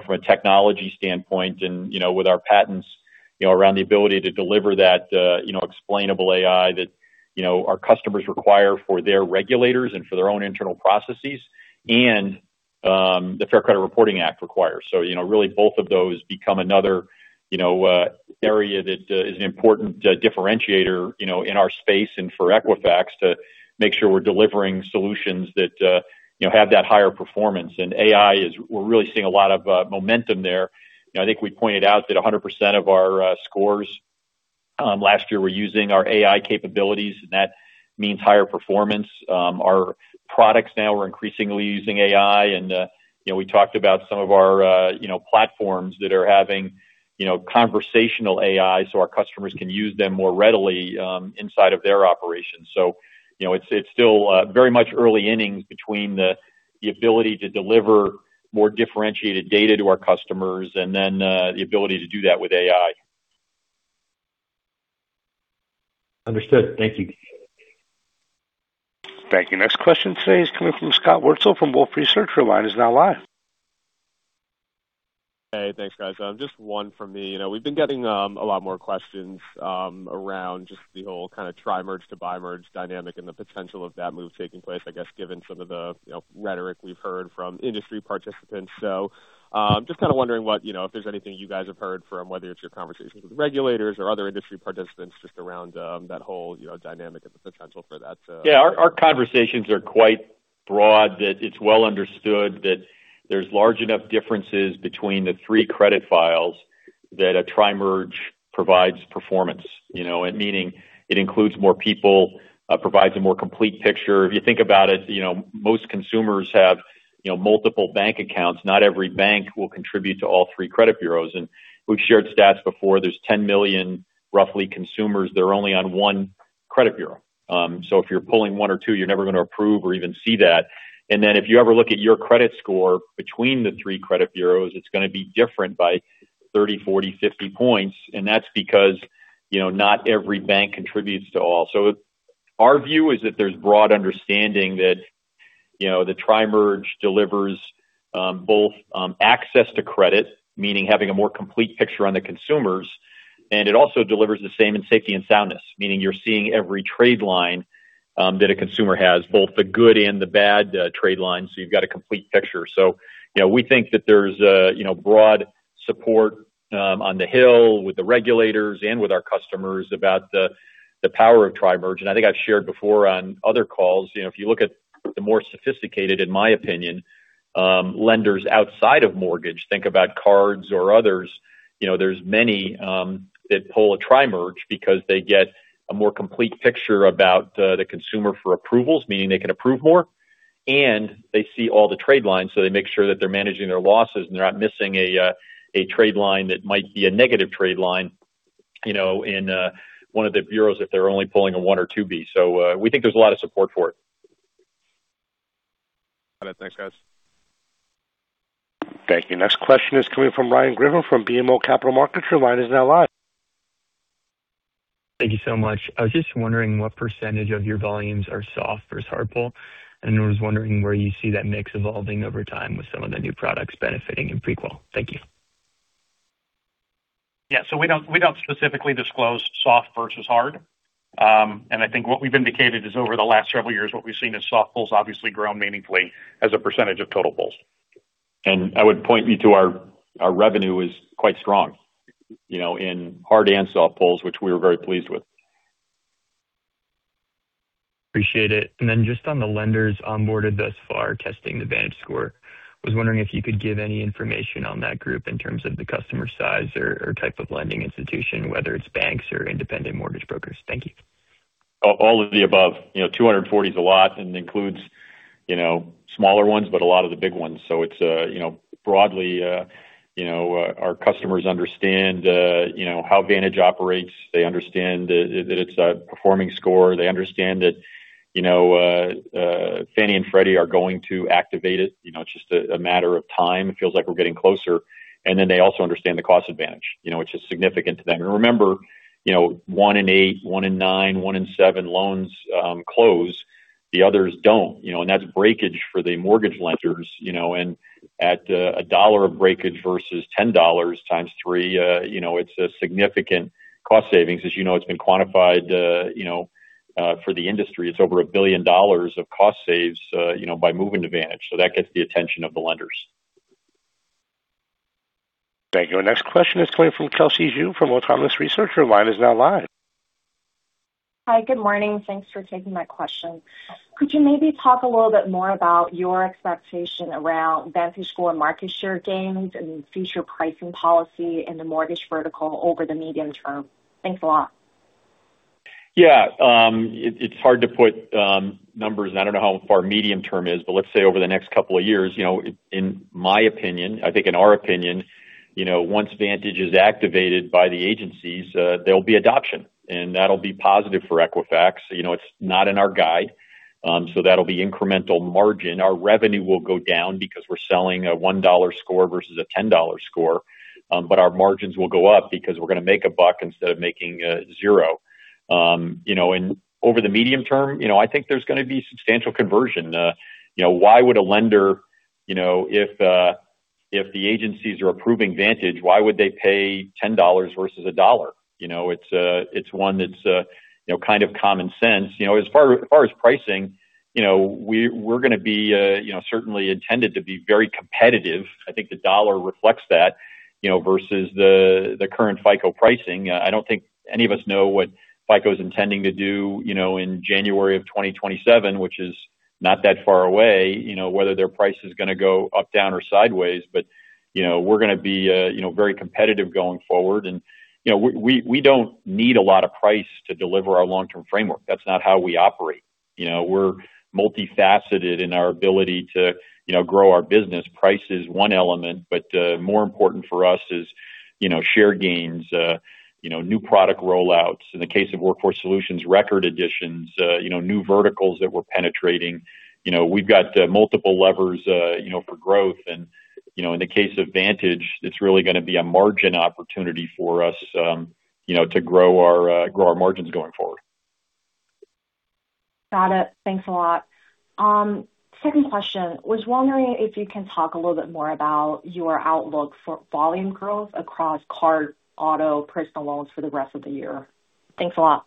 from a technology standpoint and with our patents around the ability to deliver that explainable AI that our customers require for their regulators and for their own internal processes and the Fair Credit Reporting Act requires. Really both of those become another area that is an important differentiator in our space and for Equifax to make sure we're delivering solutions that have that higher performance. In AI, we're really seeing a lot of momentum there. I think we pointed out that 100% of our scores last year were using our AI capabilities, and that means higher performance. Our products now are increasingly using AI, and we talked about some of our platforms that are having conversational AI so our customers can use them more readily inside of their operations. It's still very much early innings between the ability to deliver more differentiated data to our customers and then the ability to do that with AI. Understood. Thank you. Thank you. Next question today is coming from Scott Wurtzel from Wolfe Research. Your line is now live. Hey, thanks, guys. Just one from me. We've been getting a lot more questions around just the whole kind of tri-merge to bi-merge dynamic and the potential of that move taking place, I guess, given some of the rhetoric we've heard from industry participants. Just kind of wondering if there's anything you guys have heard from, whether it's your conversations with regulators or other industry participants just around that whole dynamic and the potential for that to. Yeah. Our conversations are quite broad that it's well-understood that there's large enough differences between the three credit files that a tri-merge provides performance, meaning it includes more people, provides a more complete picture. If you think about it, most consumers have multiple bank accounts. Not every bank will contribute to all three credit bureaus. We've shared stats before. There's 10 million, roughly, consumers that are only on one credit bureau. If you're pulling one or two, you're never going to approve or even see that. If you ever look at your credit score between the three credit bureaus, it's going to be different by 30, 40, 50 points. That's because not every bank contributes to all. Our view is that there's broad understanding that the tri-merge delivers both access to credit, meaning having a more complete picture on the consumers, and it also delivers the same in safety and soundness, meaning you're seeing every trade line that a consumer has, both the good and the bad trade lines, so you've got a complete picture. We think that there's broad support on the Hill, with the regulators and with our customers about the power of tri-merge. I think I've shared before on other calls, if you look at the more sophisticated, in my opinion, lenders outside of mortgage, think about cards or others, there's many that pull a tri-merge because they get a more complete picture about the consumer for approvals, meaning they can approve more, and they see all the trade lines, so they make sure that they're managing their losses and they're not missing a trade line that might be a negative trade line in one of the bureaus if they're only pulling a one or two [B]. We think there's a lot of support for it. Got it. Thanks, guys. Thank you. Next question is coming from Ryan Griffin from BMO Capital Markets. Your line is now live. Thank you so much. I was just wondering what percentage of your volumes are soft versus hard pull, and I was wondering where you see that mix evolving over time with some of the new products benefiting in pre-qual. Thank you. Yeah. We don't specifically disclose soft versus hard. I think what we've indicated is over the last several years, what we've seen is soft pulls obviously grown meaningfully as a percentage of total pulls. I would point you to our revenue is quite strong in hard and soft pulls, which we are very pleased with. Appreciate it. Just on the lenders onboarded thus far testing the VantageScore, I was wondering if you could give any information on that group in terms of the customer size or type of lending institution, whether it's banks or independent mortgage brokers. Thank you. All of the above. 240 is a lot, and it includes smaller ones, but a lot of the big ones. It's broadly, our customers understand how Vantage operates. They understand that it's a performing score. They understand that Fannie and Freddie are going to activate it. It's just a matter of time. It feels like we're getting closer. They also understand the cost advantage, which is significant to them. Remember, one in eight, one in nine, one in seven loans close, the others don't, and that's breakage for the mortgage lenders. At $1 of breakage versus $10 times three, it's a significant cost savings. As you know, it's been quantified for the industry. It's over $1 billion of cost saves by moving to Vantage. That gets the attention of the lenders. Thank you. Our next question is coming from Kelsey Zhu from Autonomous Research. Your line is now live. Hi. Good morning. Thanks for taking my question. Could you maybe talk a little bit more about your expectation around VantageScore and market share gains and future pricing policy in the mortgage vertical over the medium term? Thanks a lot. Yeah. It's hard to put numbers, and I don't know how far medium term is, but let's say over the next couple of years, in my opinion, I think in our opinion, once Vantage is activated by the agencies, there'll be adoption, and that'll be positive for Equifax. It's not in our guide. That'll be incremental margin. Our revenue will go down because we're selling a $1 score versus a $10 score, but our margins will go up because we're going to make a buck instead of making zero. Over the medium term, I think there's going to be substantial conversion. Why would a lender, if the agencies are approving Vantage, why would they pay $10 versus $1? It's one that's kind of common sense. As far as pricing, we're going to be certainly intended to be very competitive. I think the $1 reflects that versus the current FICO pricing. I don't think any of us know what FICO is intending to do in January of 2027, which is not that far away, whether their price is going to go up, down, or sideways. We're going to be very competitive going forward. We don't need a lot of price to deliver our long-term framework. That's not how we operate. We're multifaceted in our ability to grow our business. Price is one element, but more important for us is share gains, new product rollouts, in the case of Workforce Solutions, record additions, new verticals that we're penetrating. We've got multiple levers for growth. In the case of Vantage, it's really going to be a margin opportunity for us to grow our margins going forward. Got it. Thanks a lot. Second question, was wondering if you can talk a little bit more about your outlook for volume growth across card, auto, personal loans for the rest of the year? Thanks a lot.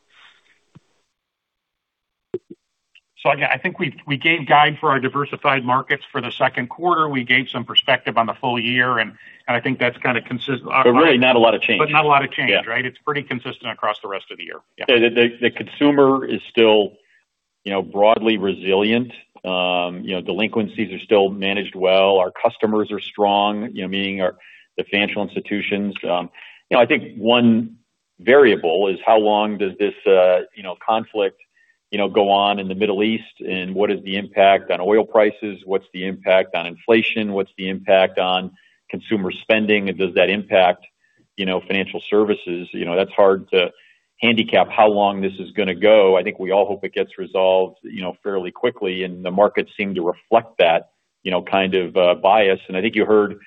I think we gave guidance for our diversified markets for the second quarter. We gave some perspective on the full year, and I think that's kind of consist. There's really not a lot of change. Not a lot of change, right? It's pretty consistent across the rest of the year. Yeah. The consumer is still broadly resilient. Delinquencies are still managed well. Our customers are strong, meaning the financial institutions. I think one variable is how long does this conflict go on in the Middle East and what is the impact on oil prices? What's the impact on inflation? What's the impact on consumer spending? And does that impact financial services? That's hard to handicap how long this is going to go. I think we all hope it gets resolved fairly quickly, and the markets seem to reflect that kind of bias. I think you heard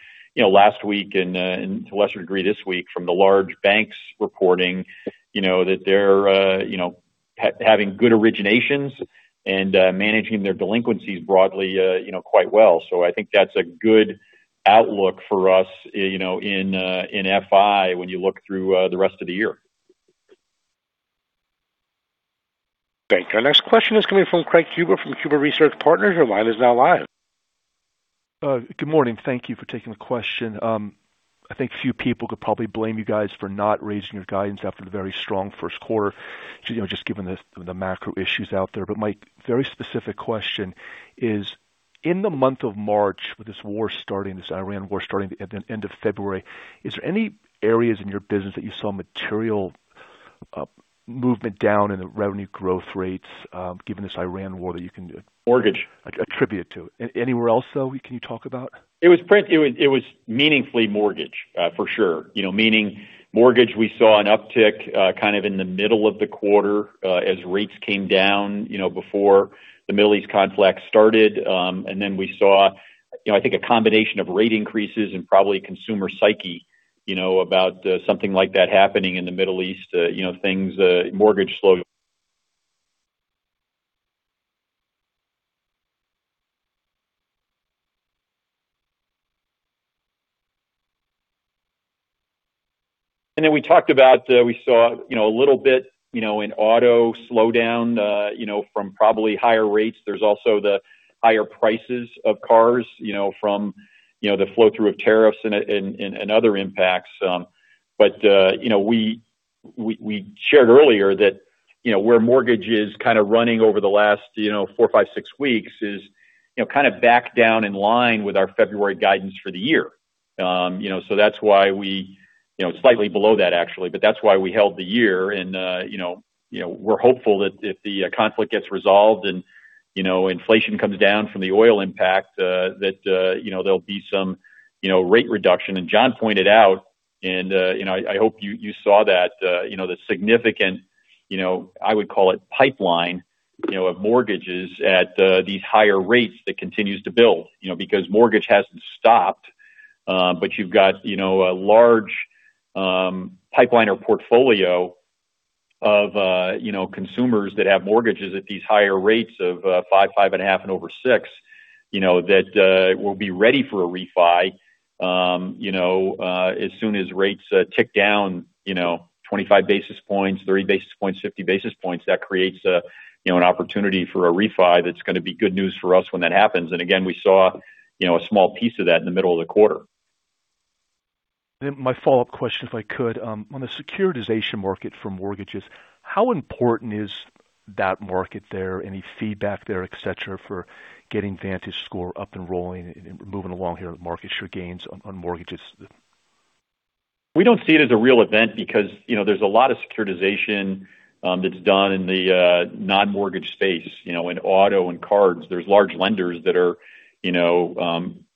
last week, and to a lesser degree this week, from the large banks reporting that they're having good originations and managing their delinquencies broadly quite well. I think that's a good outlook for us in FI when you look through the rest of the year. Thank you. Our next question is coming from Craig Huber from Huber Research Partners. Your line is now live. Good morning. Thank you for taking the question. I think few people could probably blame you guys for not raising your guidance after the very strong first quarter, just given the macro issues out there. My very specific question is, in the month of March, with this war starting, this Iran war starting at the end of February, is there any areas in your business that you saw material movement down in the revenue growth rates given this Iran war that you can. Mortgage. Attribute it to? Anywhere else, though, can you talk about? It was meaningfully mortgage for sure. Meaning, mortgage, we saw an uptick kind of in the middle of the quarter as rates came down before the Middle East conflict started. We saw, I think, a combination of rate increases and probably consumer psyche about something like that happening in the Middle East. Then mortgage slowed we talked about. We saw a little bit of an auto slowdown from probably higher rates. There's also the higher prices of cars from the flow-through of tariffs and other impacts. We shared earlier that where mortgage is kind of running over the last four, five, six weeks is kind of back down in line with our February guidance for the year. That's why we, slightly below that actually. That's why we held the year. We're hopeful that if the conflict gets resolved and inflation comes down from the oil impact, that there'll be some rate reduction. John pointed out, and I hope you saw that the significant, I would call it pipeline of mortgages at these higher rates that continues to build. Because mortgage hasn't stopped, but you've got a large pipeline or portfolio of consumers that have mortgages at these higher rates of 5%, 5.5%, and over 6% that will be ready for a refi as soon as rates tick down 25 basis points, 30 basis points, 50 basis points. That creates an opportunity for a refi. That's going to be good news for us when that happens. Again, we saw a small piece of that in the middle of the quarter. My follow-up question, if I could. On the securitization market for mortgages, how important is that market there? Any feedback there, et cetera, for getting VantageScore up and rolling and moving along here with market share gains on mortgages? We don't see it as a real event because there's a lot of securitization that's done in the non-mortgage space. In auto and cards, there's large lenders that are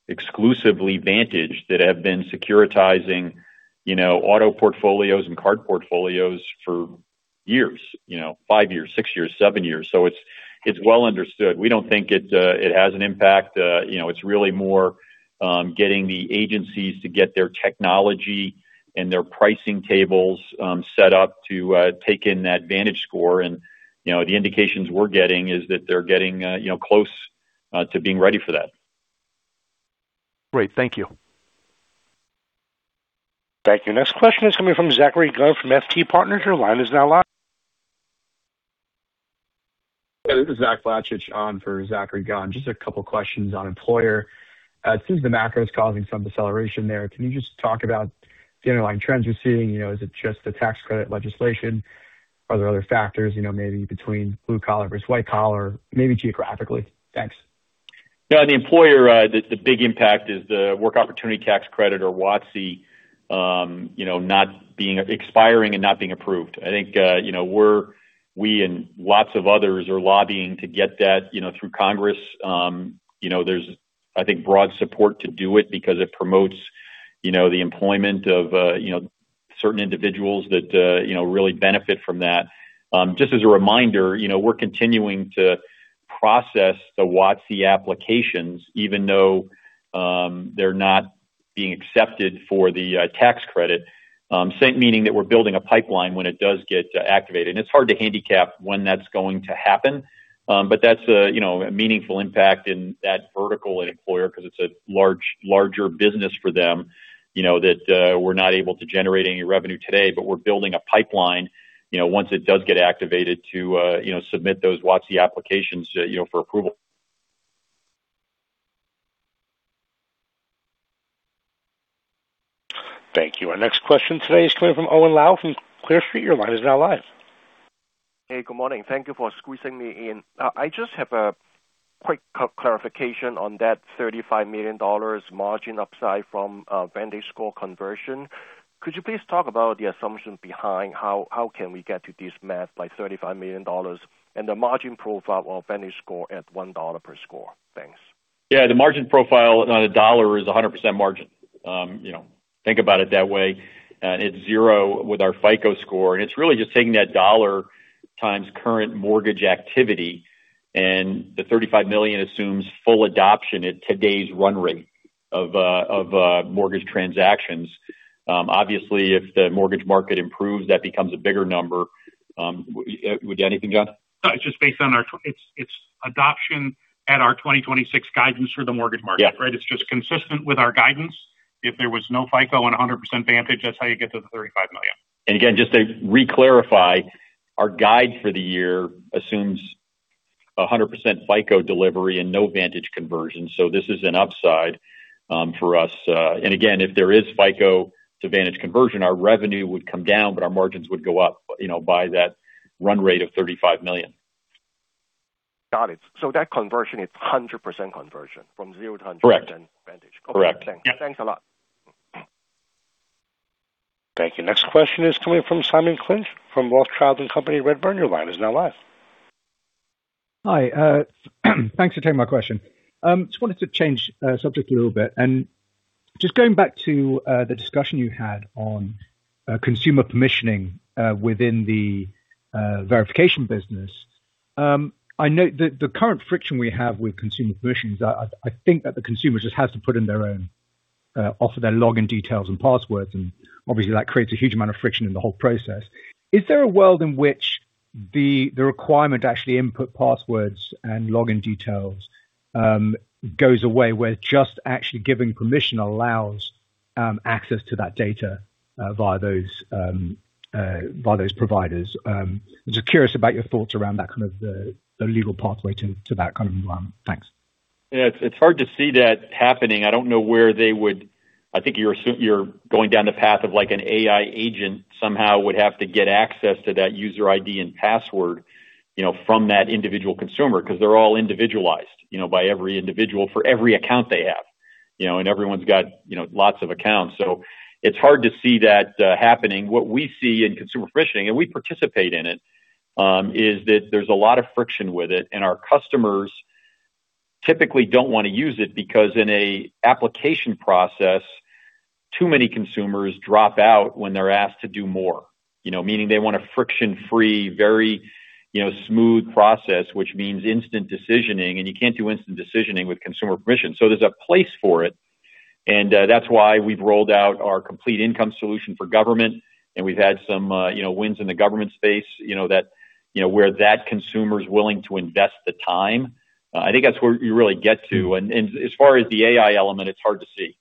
exclusively Vantage that have been securitizing auto portfolios and card portfolios for years. Five years, six years, seven years. It's well-understood. We don't think it has an impact. It's really more getting the agencies to get their technology and their pricing tables set up to take in that VantageScore. The indications we're getting is that they're getting close to being ready for that. Great. Thank you. Thank you. Next question is coming from Zachary Gunn from FT Partners. Your line is now live. This is Zach Vlacich on for Zachary Gunn. Just a couple questions on employer. Since the macro is causing some deceleration there, can you just talk about the underlying trends you're seeing? Is it just the tax credit legislation? Are there other factors, maybe between blue collar versus white collar, maybe geographically? Thanks. The employer, the big impact is the Work Opportunity Tax Credit, or WOTC, expiring and not being approved. I think we and lots of others are lobbying to get that through Congress. There's, I think, broad support to do it because it promotes the employment of certain individuals that really benefit from that. Just as a reminder, we're continuing to process the WOTC applications even though they're not being accepted for the tax credit. Meaning that we're building a pipeline when it does get activated. It's hard to handicap when that's going to happen. That's a meaningful impact in that vertical and employer because it's a larger business for them, that we're not able to generate any revenue today. We're building a pipeline, once it does get activated, to submit those WOTC applications for approval. Thank you. Our next question today is coming from Owen Lau from Clear Street. Your line is now live. Hey, good morning. Thank you for squeezing me in. I just have a quick clarification on that $35 million margin upside from VantageScore conversion. Could you please talk about the assumption behind how we can get to this math, like $35 million and the margin profile of VantageScore at $1 per score. Thanks. Yeah. The margin profile on $1 is 100% margin. Think about it that way. It's zero with our FICO score and it's really just taking that dollar times current mortgage activity and the $35 million assumes full adoption at today's run rate of mortgage transactions. Obviously if the mortgage market improves, that becomes a bigger number. Would you add anything, John? No, it's just adoption at our 2026 guidance for the mortgage market. Yeah. Right. It's just consistent with our guidance. If there was no FICO and 100% Vantage, that's how you get to the $35 million. Again, just to reclarify, our guide for the year assumes 100% FICO delivery and no Vantage conversion. This is an upside for us. Again, if there is FICO to Vantage conversion, our revenue would come down but our margins would go up by that run rate of $35 million. Got it. That conversion is 100% conversion from 0 to 100% VantageScore. Correct. Okay. Thanks. Yeah. Thanks a lot. Thank you. Next question is coming from Simon Clinch from Rothschild & Co Redburn, your line is now live. Hi. Thanks for taking my question. Just wanted to change the subject a little bit and just going back to the discussion you had on consumer permissioning within the verification business. I know, the current friction we have with consumer permission, I think that the consumer just has to put in their own, offer their login details and passwords, and obviously, that creates a huge amount of friction in the whole process. Is there a world in which the requirement to actually input passwords and login details goes away where just actually giving permission allows access to that data via those providers? Just curious about your thoughts around that kind of legal pathway to that kind of environment. Thanks. Yeah. It's hard to see that happening. I don't know where they would. I think you're going down the path of like an AI agent somehow would have to get access to that user ID and password from that individual consumer because they're all individualized by every individual for every account they have. Everyone's got lots of accounts. It's hard to see that happening. What we see in consumer permissioning, and we participate in it, is that there's a lot of friction with it and our customers typically don't want to use it because in a, application process, too many consumers drop out when they're asked to do more. Meaning they want a friction-free very smooth process which means instant decisioning and you can't do instant decisioning with consumer permission. There's a place for it and that's why we've rolled out our Complete Income solution for government, and we've had some wins in the government space where that consumer is willing to invest the time. I think that's where you really get to and as far as the AI element, it's hard to see.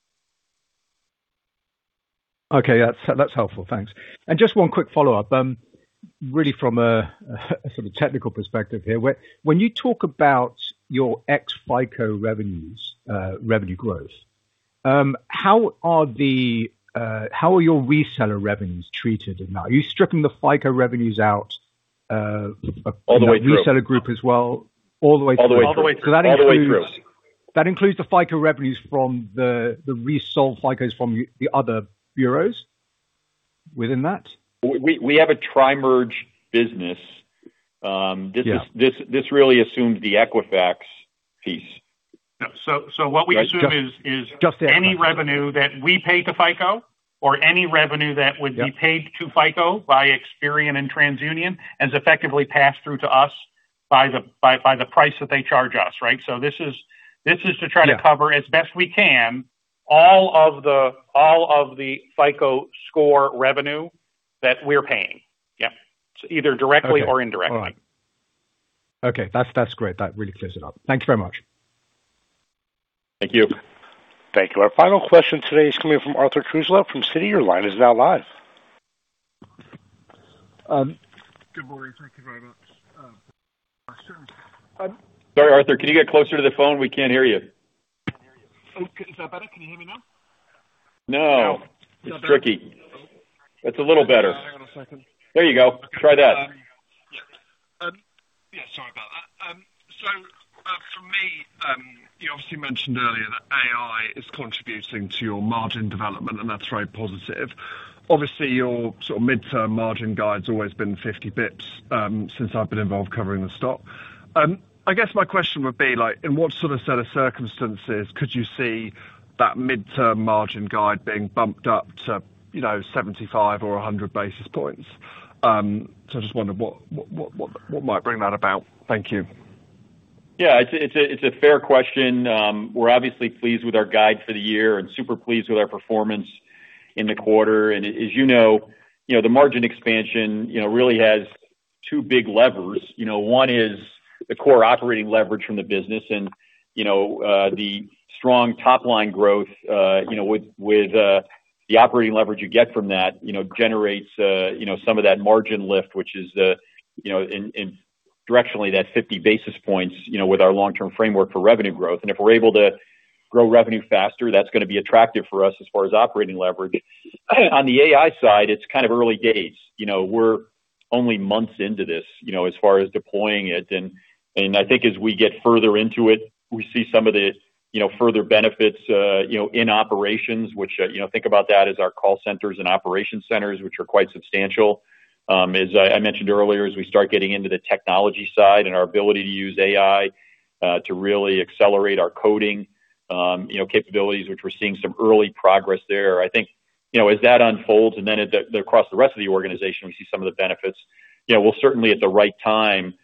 Okay. That's helpful. Thanks. Just one quick follow-up. Really from a sort of technical perspective here. When you talk about your ex-FICO revenues, revenue growth, how are your reseller revenues treated now? Are you stripping the FICO revenues out? All the way through. Reseller group as well? All the way through. All the way through. All the way through. That includes the FICO revenues from the resold FICOs from the other bureaus within that? We have a tri-merge business. Yeah. This really assumes the Equifax piece. What we assume is. Just that. Any revenue that we pay to FICO or any revenue that would be paid to FICO by Experian and TransUnion is effectively passed through to us by the price that they charge us, right? This is to try to cover. Yeah. As best we can all of the FICO Score revenue that we're paying. Yeah. Either directly or indirectly. Okay. All right. Okay. That's great. That really clears it up. Thank you very much. Thank you. Thank you. Our final question today is coming from Arthur Truslove from Citi. Your line is now live. Good morning. Thank you very much. Sorry, Arthur, can you get closer to the phone? We can't hear you. Is that better? Can you hear me now? No. It's tricky. That's a little better. Hang on a second. There you go. Try that. Yeah. Sorry about that. For me, you obviously mentioned earlier that AI is contributing to your margin development and that's very positive. Obviously, your sort of midterm margin guide's always been 50 basis points since I've been involved covering the stock. I guess my question would be like, in what sort of set of circumstances could you see that midterm margin guide being bumped up to 75 or 100 basis points? I just wondered what might bring that about. Thank you. Yeah, it's a fair question. We're obviously pleased with our guide for the year and super pleased with our performance in the quarter and as you know, the margin expansion really has two big levers. One is the core operating leverage from the business and the strong top-line growth with the operating leverage you get from that generates some of that margin lift which is, directionally, that 50 basis points with our long-term framework for revenue growth. If we're able to grow revenue faster that's going to be attractive for us as far as operating leverage. On the AI side, it's kind of early days. We're only months into this as far as deploying it and I think as we get further into it, we see some of the further benefits in operations, which think about that as our call centers and operations centers which are quite substantial. As I mentioned earlier, as we start getting into the technology side and our ability to use AI to really accelerate our coding capabilities, which we're seeing some early progress there. I think as that unfolds and then across the rest of the organization, we see some of the benefits, we'll certainly at the right time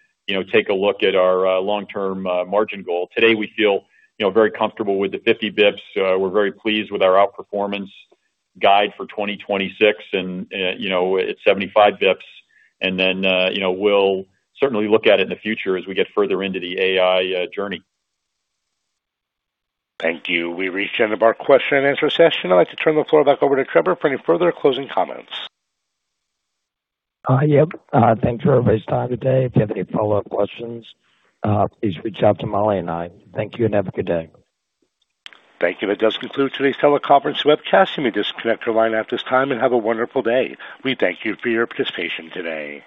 take a look at our long-term margin goal. Today we feel very comfortable with the 50 basis points. We're very pleased with our outperformance guide for 2026 and at 75 basis points and then we'll certainly look at it in the future as we get further into the AI journey. Thank you. We've reached the end of our question-and-answer session. I'd like to turn the floor back over to Trevor for any further closing comments. Yep. Thanks for everybody's time today. If you have any follow-up questions, please reach out to Molly and I. Thank you and have a good day. Thank you. That does conclude today's teleconference webcast. You may disconnect your line at this time and have a wonderful day. We thank you for your participation today.